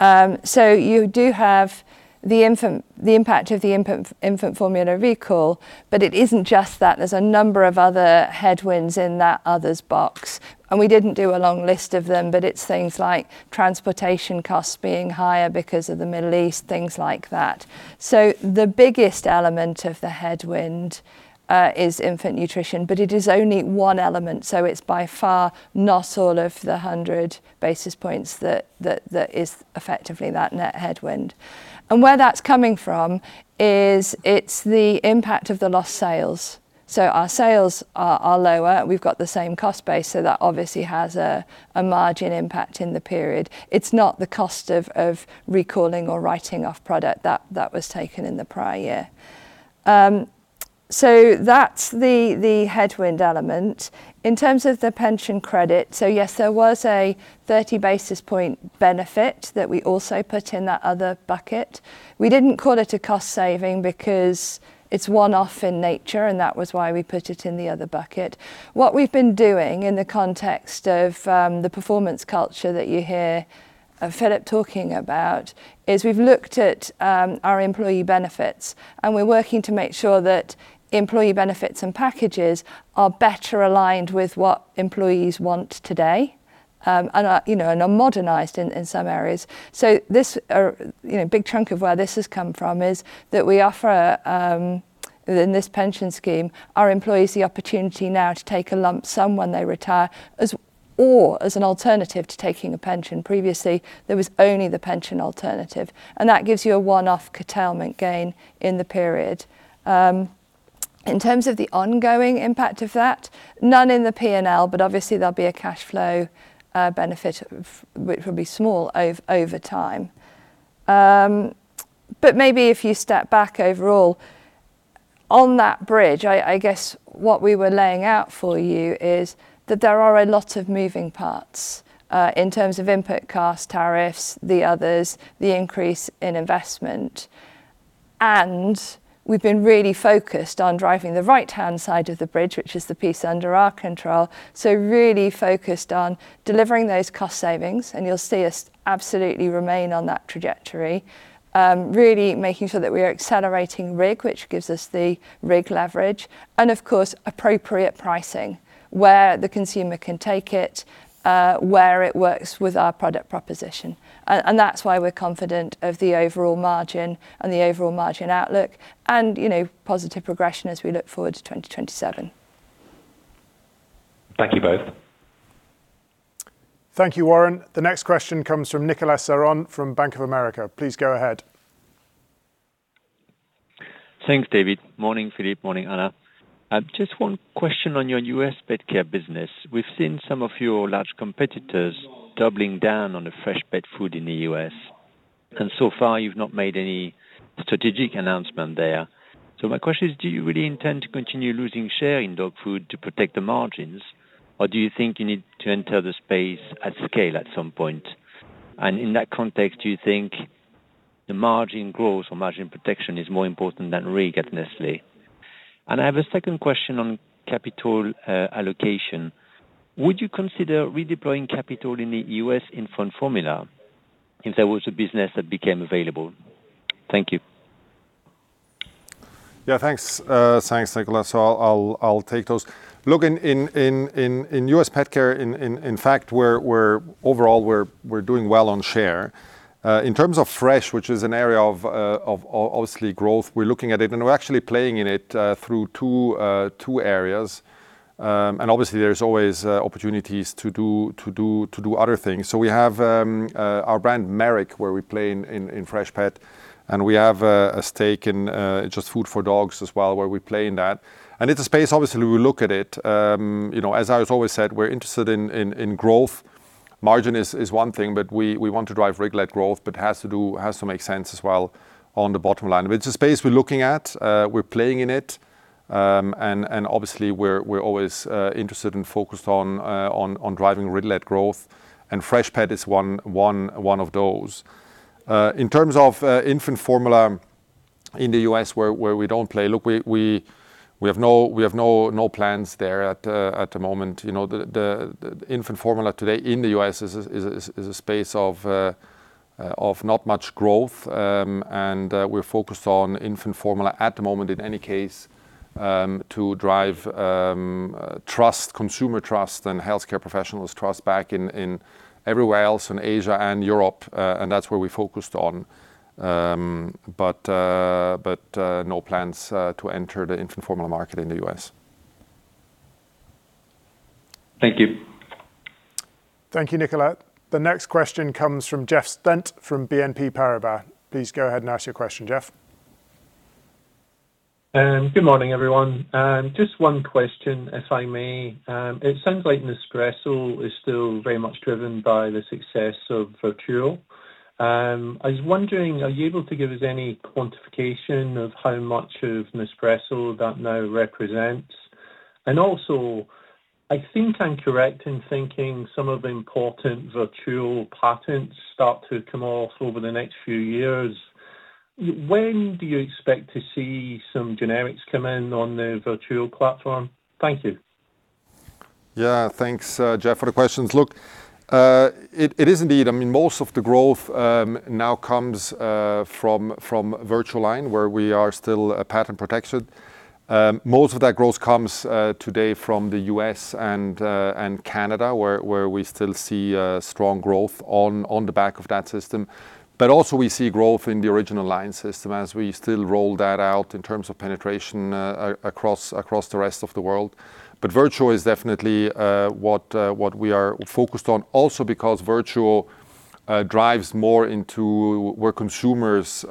You do have the impact of the infant formula recall, but it isn't just that. There's a number of other headwinds in that others box. We didn't do a long list of them, but it's things like transportation costs being higher because of the Middle East, things like that. The biggest element of the headwind is infant nutrition, but it is only one element. It's by far not all of the 100 basis points that is effectively that net headwind. Where that's coming from is it's the impact of the lost sales. Our sales are lower. We've got the same cost base, that obviously has a margin impact in the period. It's not the cost of recalling or writing off product. That was taken in the prior year. That's the headwind element. In terms of the pension credit, yes, there was a 30 basis point benefit that we also put in that other bucket. We didn't call it a cost saving because it's one-off in nature, and that was why we put it in the other bucket. What we've been doing in the context of the performance culture that you hear Philipp talking about is we've looked at our employee benefits. We're working to make sure that employee benefits and packages are better aligned with what employees want today. Are modernized in some areas. A big chunk of where this has come from is that we offer, in this pension scheme, our employees the opportunity now to take a lump sum when they retire, or as an alternative to taking a pension. Previously, there was only the pension alternative, that gives you a one-off curtailment gain in the period. In terms of the ongoing impact of that, none in the P&L, obviously there'll be a cashflow benefit, which will be small over time. Maybe if you step back overall, on that bridge, what we were laying out for you is that there are a lot of moving parts in terms of input costs, tariffs, the others, the increase in investment. We've been really focused on driving the right-hand side of the bridge, which is the piece under our control. Really focused on delivering those cost savings, and you'll see us absolutely remain on that trajectory. Really making sure that we are accelerating RIG, which gives us the RIG leverage, of course, appropriate pricing where the consumer can take it, where it works with our product proposition. That's why we're confident of the overall margin and the overall margin outlook, and positive progression as we look forward to 2027. Thank you both. Thank you, Warren. The next question comes from Nicolas Ceron from Bank of America. Please go ahead. Thanks, David. Morning, Philipp. Morning, Anna. Just one question on your U.S. pet care business. We've seen some of your large competitors doubling down on the fresh pet food in the U.S., and so far you've not made any strategic announcement there. My question is, do you really intend to continue losing share in dog food to protect the margins, or do you think you need to enter the space at scale at some point? In that context, do you think the margin growth or margin protection is more important than RIG at Nestlé? I have a second question on capital allocation. Would you consider redeploying capital in the U.S. infant formula if there was a business that became available? Thank you. Yeah, thanks. Thanks, Nicolas. I'll take those. Look, in U.S. pet care, in fact, overall we're doing well on share. In terms of fresh, which is an area of obviously growth, we're looking at it and we're actually playing in it through two areas. Obviously there's always opportunities to do other things. We have our brand Merrick, where we play in fresh pet, and we have a stake in JustFoodForDogs as well, where we play in that. It's a space, obviously, we look at it. As I've always said, we're interested in growth. Margin is one thing, but we want to drive RIG-led growth, but it has to make sense as well on the bottom line. It's a space we're looking at, we're playing in it. Obviously we're always interested and focused on driving RIG-led growth, and fresh pet is one of those. In terms of infant formula in the U.S. where we don't play. Look, we have no plans there at the moment. The infant formula today in the U.S. is a space of not much growth, we're focused on infant formula at the moment, in any case, to drive consumer trust and healthcare professionals trust back in everywhere else in Asia and Europe, that's where we're focused on. No plans to enter the infant formula market in the U.S. Thank you. Thank you, Nicolas. The next question comes from Jeff Stent from BNP Paribas. Please go ahead and ask your question, Jeff. Good morning, everyone. Just one question, if I may. It sounds like Nespresso is still very much driven by the success of Vertuo. I was wondering, are you able to give us any quantification of how much of Nespresso that now represents? Also, I think I'm correct in thinking some of the important Vertuo patents start to come off over the next few years. When do you expect to see some generics come in on the Vertuo platform? Thank you. Thanks, Jeff, for the questions. Look, it is indeed. Most of the growth now comes from VertuoLine, where we are still patent protected. Most of that growth comes today from the U.S. and Canada, where we still see strong growth on the back of that system. Also, we see growth in the OriginalLine system as we still roll that out in terms of penetration across the rest of the world. Vertuo is definitely what we are focused on also because Vertuo drives more into where consumers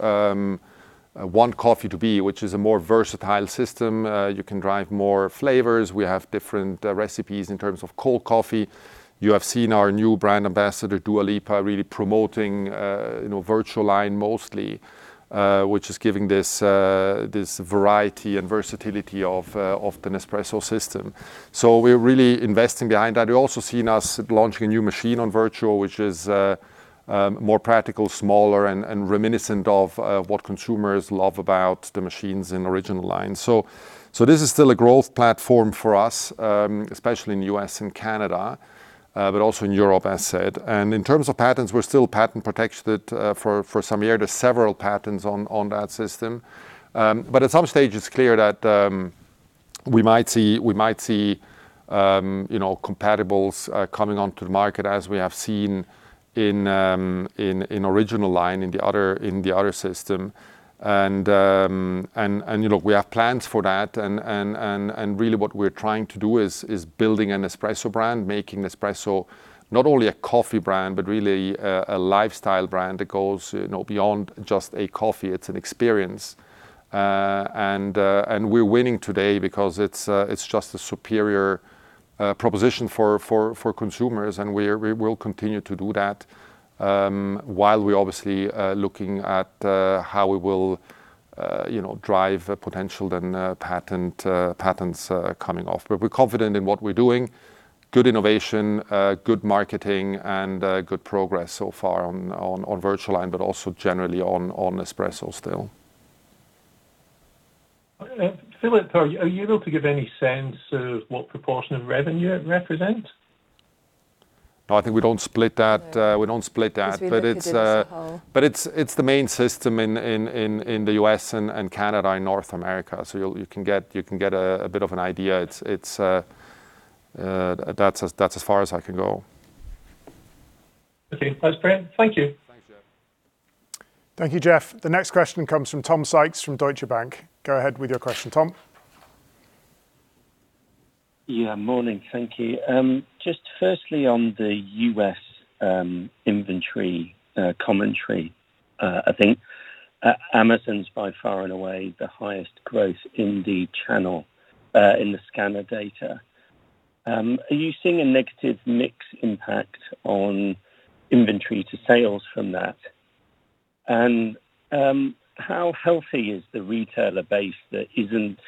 want coffee to be, which is a more versatile system. You can drive more flavors. We have different recipes in terms of cold coffee. You have seen our new brand ambassador, Dua Lipa, really promoting VertuoLine mostly, which is giving this variety and versatility of the Nespresso system. We're really investing behind that. You've also seen us launching a new machine on Vertuo, which is more practical, smaller, and reminiscent of what consumers love about the machines in OriginalLine. This is still a growth platform for us, especially in the U.S. and Canada, but also in Europe, as said. In terms of patents, we're still patent protected for some years. There's several patents on that system. At some stage, it's clear that we might see compatibles coming onto the market, as we have seen in OriginalLine in the other system. We have plans for that. Really what we're trying to do is building an Nespresso brand, making Nespresso not only a coffee brand, but really a lifestyle brand that goes beyond just a coffee. It's an experience. We're winning today because it's just a superior proposition for consumers. We will continue to do that, while we're obviously looking at how we will drive potential then patents coming off. We're confident in what we're doing. Good innovation, good marketing, and good progress so far on VertuoLine, but also generally on Nespresso still. Philipp, are you able to give any sense of what proportion of revenue it represents? No, I think we don't split that. We don't split that. We look at it as a whole. It's the main system in the U.S. and Canada, in North America. You can get a bit of an idea. That's as far as I can go. Okay. That's brilliant. Thank you. Thanks, Jeff. Thank you, Jeff. The next question comes from Tom Sykes from Deutsche Bank. Go ahead with your question, Tom. Yeah. Morning. Thank you. Just firstly, on the U.S. inventory commentary, I think Amazon's by far and away the highest growth in the channel, in the scanner data. Are you seeing a negative mix impact on inventory to sales from that? How healthy is the retailer base that isn't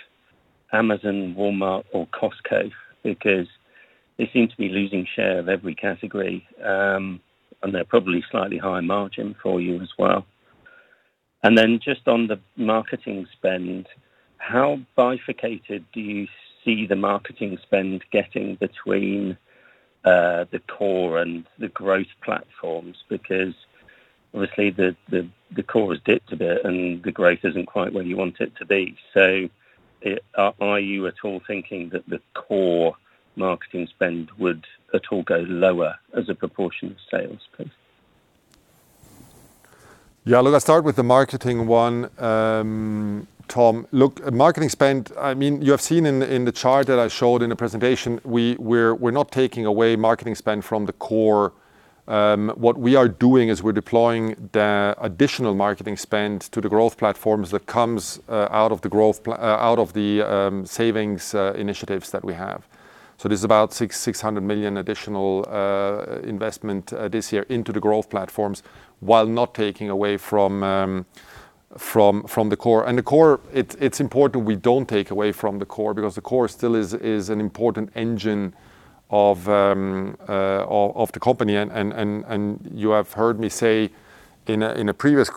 Amazon, Walmart, or Costco? Because they seem to be losing share of every category, and they're probably slightly higher margin for you as well. Just on the marketing spend, how bifurcated do you see the marketing spend getting between the core and the growth platforms? Because obviously the core has dipped a bit and the growth isn't quite where you want it to be. Are you at all thinking that the core marketing spend would at all go lower as a proportion of sales, please? Yeah. Look, I'll start with the marketing one, Tom. Look, marketing spend, you have seen in the chart that I showed in the presentation, we're not taking away marketing spend from the core. What we are doing is we're deploying the additional marketing spend to the growth platforms that comes out of the savings initiatives that we have. There's about 600 million additional investment this year into the growth platforms while not taking away from the core. The core, it's important we don't take away from the core, because the core still is an important engine of the company. You have heard me say in a previous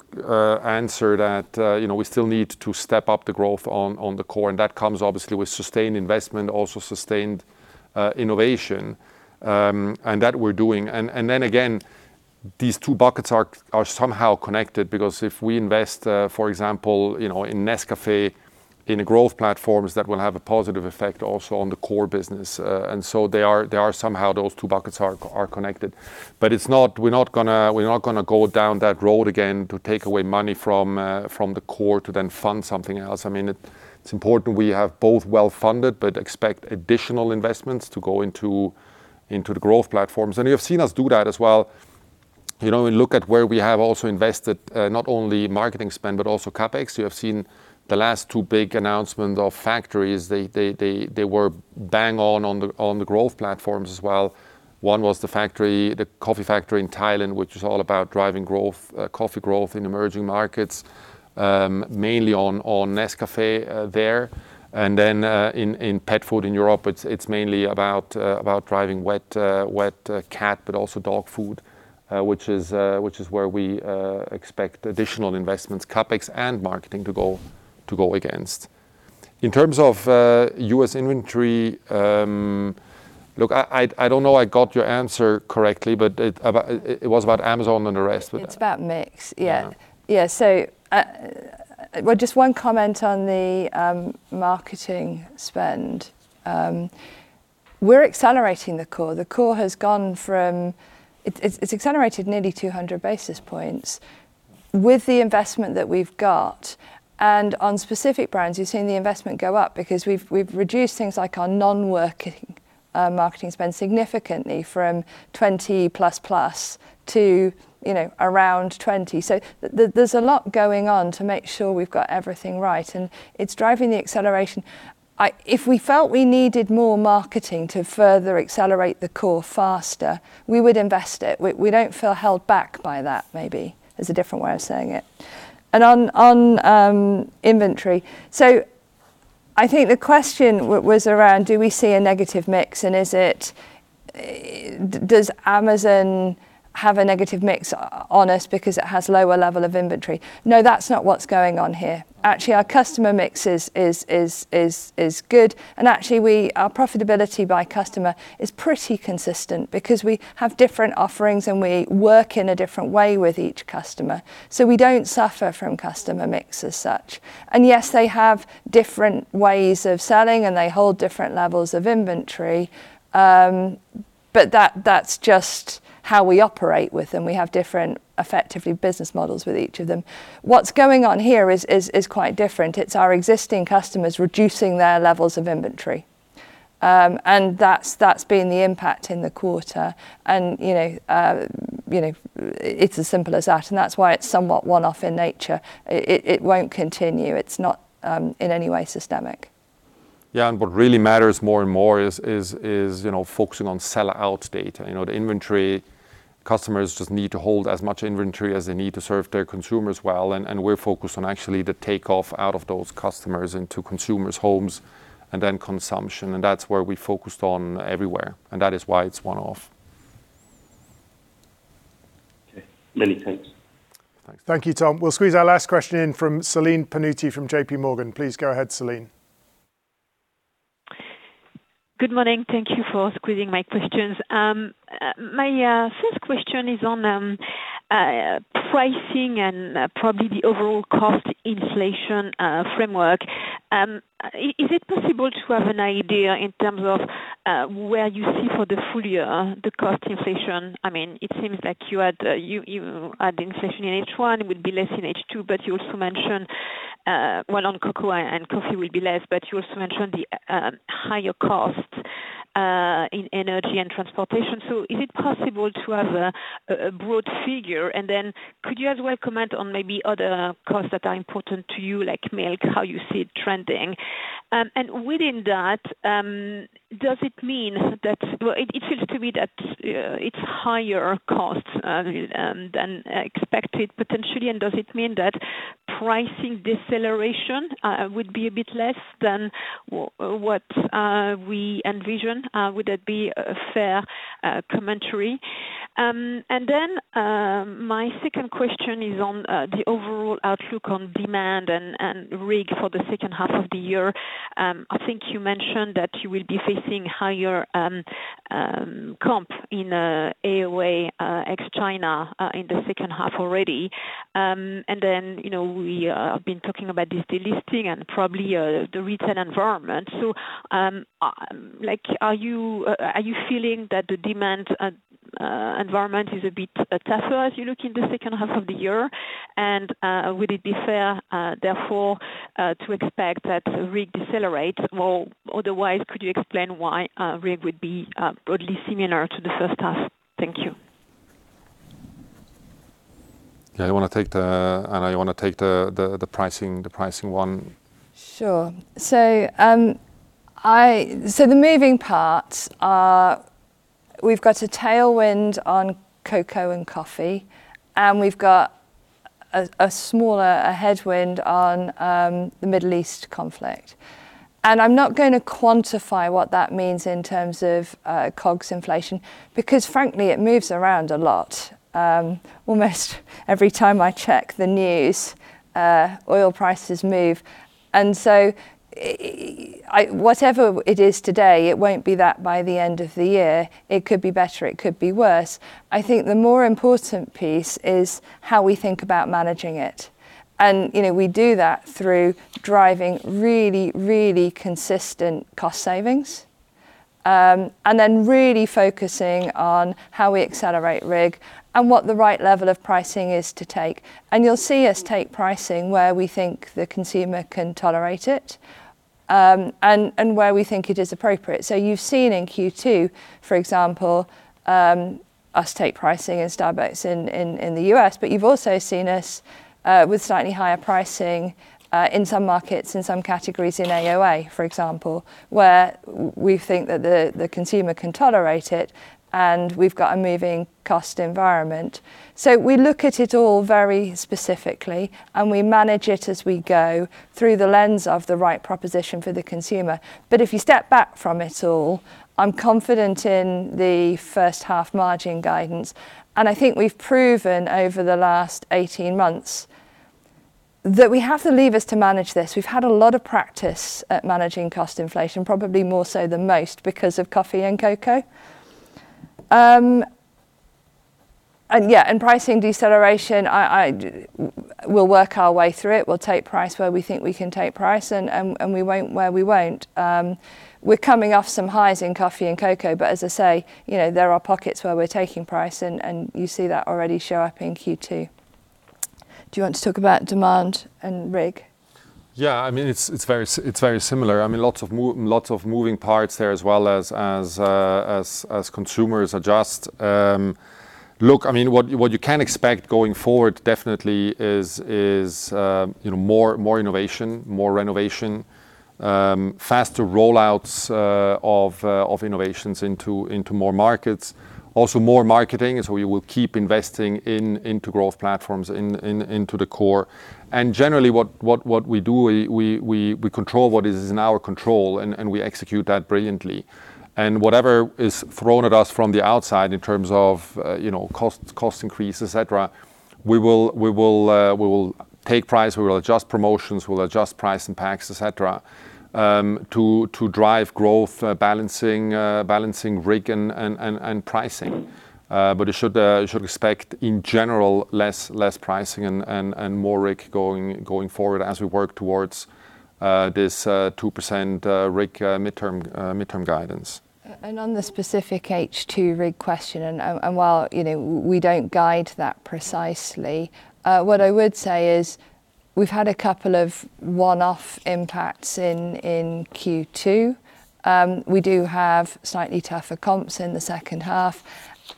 answer that we still need to step up the growth on the core, and that comes obviously with sustained investment, also sustained innovation, and that we're doing. Again, these two buckets are somehow connected because if we invest, for example, in Nescafé, in the growth platforms, that will have a positive effect also on the core business. They are somehow, those two buckets are connected. We're not going to go down that road again to take away money from the core to then fund something else. It's important we have both well-funded, but expect additional investments to go into the growth platforms. You have seen us do that as well. We look at where we have also invested, not only marketing spend, but also CapEx. You have seen the last two big announcement of factories. They were bang on the growth platforms as well. One was the coffee factory in Thailand, which was all about driving coffee growth in emerging markets, mainly on Nescafé there. In pet food in Europe, it's mainly about driving wet cat, but also dog food, which is where we expect additional investments, CapEx and marketing, to go against. In terms of U.S. inventory, look, I don't know I got your answer correctly, but it was about Amazon and the rest. It's about mix, yeah. Well, just one comment on the marketing spend. We're accelerating the core. The core has accelerated nearly 200 basis points with the investment that we've got. On specific brands, you've seen the investment go up because we've reduced things like our non-working marketing spend significantly from 20 plus plus to around 20. There's a lot going on to make sure we've got everything right, and it's driving the acceleration. If we felt we needed more marketing to further accelerate the core faster, we would invest it. We don't feel held back by that, maybe, is a different way of saying it. On inventory, I think the question was around do we see a negative mix, and does Amazon have a negative mix on us because it has lower level of inventory? No, that's not what's going on here. Actually, our customer mix is good, and actually, our profitability by customer is pretty consistent because we have different offerings, and we work in a different way with each customer. We don't suffer from customer mix as such. Yes, they have different ways of selling, and they hold different levels of inventory. That's just how we operate with them. We have different, effectively, business models with each of them. What's going on here is quite different. It's our existing customers reducing their levels of inventory. That's been the impact in the quarter. It's as simple as that, and that's why it's somewhat one-off in nature. It won't continue. It's not in any way systemic. What really matters more and more is focusing on sellout data. The inventory customers just need to hold as much inventory as they need to serve their consumers well. We're focused on actually the takeoff out of those customers into consumers' homes and then consumption. That's where we focused on everywhere. That is why it's one-off. Okay. Many thanks. Thanks. Thank you, Tom. We'll squeeze our last question in from Celine Pannuti from JPMorgan. Please go ahead, Celine. Good morning. Thank you for squeezing my questions. My first question is on pricing and probably the overall cost inflation framework. Is it possible to have an idea in terms of where you see for the full year, the cost inflation? It seems like you had inflation in H1. You also mentioned, well, on cocoa and coffee will be less, you also mentioned the higher cost in energy and transportation. Is it possible to have a broad figure? Could you as well comment on maybe other costs that are important to you, like milk, how you see it trending? Within that, it seems to me that it's higher costs than expected, potentially, and does it mean that pricing deceleration would be a bit less than what we envision? Would that be a fair commentary? My second question is on the overall outlook on demand and RIG for the second half of the year. I think you mentioned that you will be facing higher comp in AOA ex China in the second half already. We have been talking about this delisting and probably the retail environment. Are you feeling that the demand environment is a bit tougher as you look in the second half of the year? Would it be fair, therefore, to expect that RIG decelerates? Well, otherwise, could you explain why RIG would be broadly similar to the first half? Thank you. Anna, you want to take the pricing one? Sure. The moving parts are we've got a tailwind on cocoa and coffee, and we've got a smaller headwind on the Middle East conflict. I'm not going to quantify what that means in terms of COGS inflation, because frankly, it moves around a lot. Almost every time I check the news, oil prices move. Whatever it is today, it won't be that by the end of the year. It could be better, it could be worse. I think the more important piece is how we think about managing it. We do that through driving really, really consistent cost savings, and then really focusing on how we accelerate RIG and what the right level of pricing is to take. You'll see us take pricing where we think the consumer can tolerate it, and where we think it is appropriate. You've seen in Q2, for example, us take pricing in Starbucks in the U.S., but you've also seen us with slightly higher pricing in some markets, in some categories in AOA, for example, where we think that the consumer can tolerate it and we've got a moving cost environment. We look at it all very specifically and we manage it as we go through the lens of the right proposition for the consumer. If you step back from it all, I'm confident in the first half margin guidance, and I think we've proven over the last 18 months that we have the levers to manage this. We've had a lot of practice at managing cost inflation, probably more so than most because of coffee and cocoa. Pricing deceleration, we'll work our way through it. We'll take price where we think we can take price, and we won't where we won't. We're coming off some highs in coffee and cocoa, as I say, there are pockets where we're taking price, and you see that already show up in Q2. Do you want to talk about demand and RIG? Yeah, it's very similar. Lots of moving parts there as well as consumers adjust. Look, what you can expect going forward definitely is more innovation, more renovation, faster rollouts of innovations into more markets, also more marketing. We will keep investing into growth platforms into the core. Generally, what we do, we control what is in our control, and we execute that brilliantly. Whatever is thrown at us from the outside in terms of cost increase, et cetera, we will take price, we will adjust promotions, we'll adjust price and packs, et cetera, to drive growth, balancing RIG and pricing. You should expect, in general, less pricing and more RIG going forward as we work towards this 2% RIG midterm guidance. On the specific H2 RIG question, while we don't guide that precisely, what I would say is we've had a couple of one-off impacts in Q2. We do have slightly tougher comps in the second half,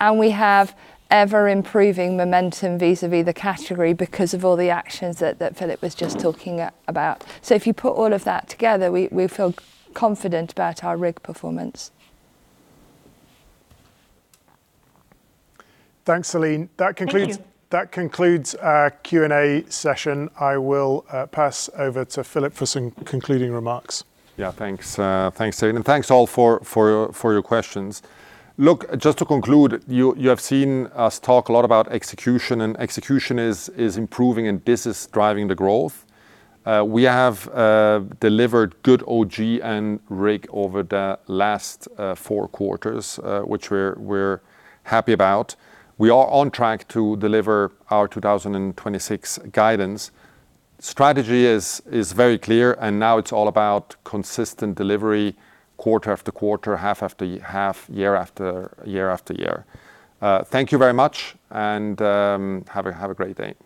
and we have ever-improving momentum vis-à-vis the category because of all the actions that Philipp was just talking about. If you put all of that together, we feel confident about our RIG performance. Thanks, Celine. Thank you. That concludes our Q&A session. I will pass over to Philipp for some concluding remarks. Yeah, thanks, Celine, thanks all for your questions. Look, just to conclude, you have seen us talk a lot about execution. Execution is improving and business driving the growth. We have delivered good OG and RIG over the last four quarters, which we're happy about. We are on track to deliver our 2026 guidance. Strategy is very clear. Now it's all about consistent delivery quarter after quarter, half after half, year after year. Thank you very much, have a great day.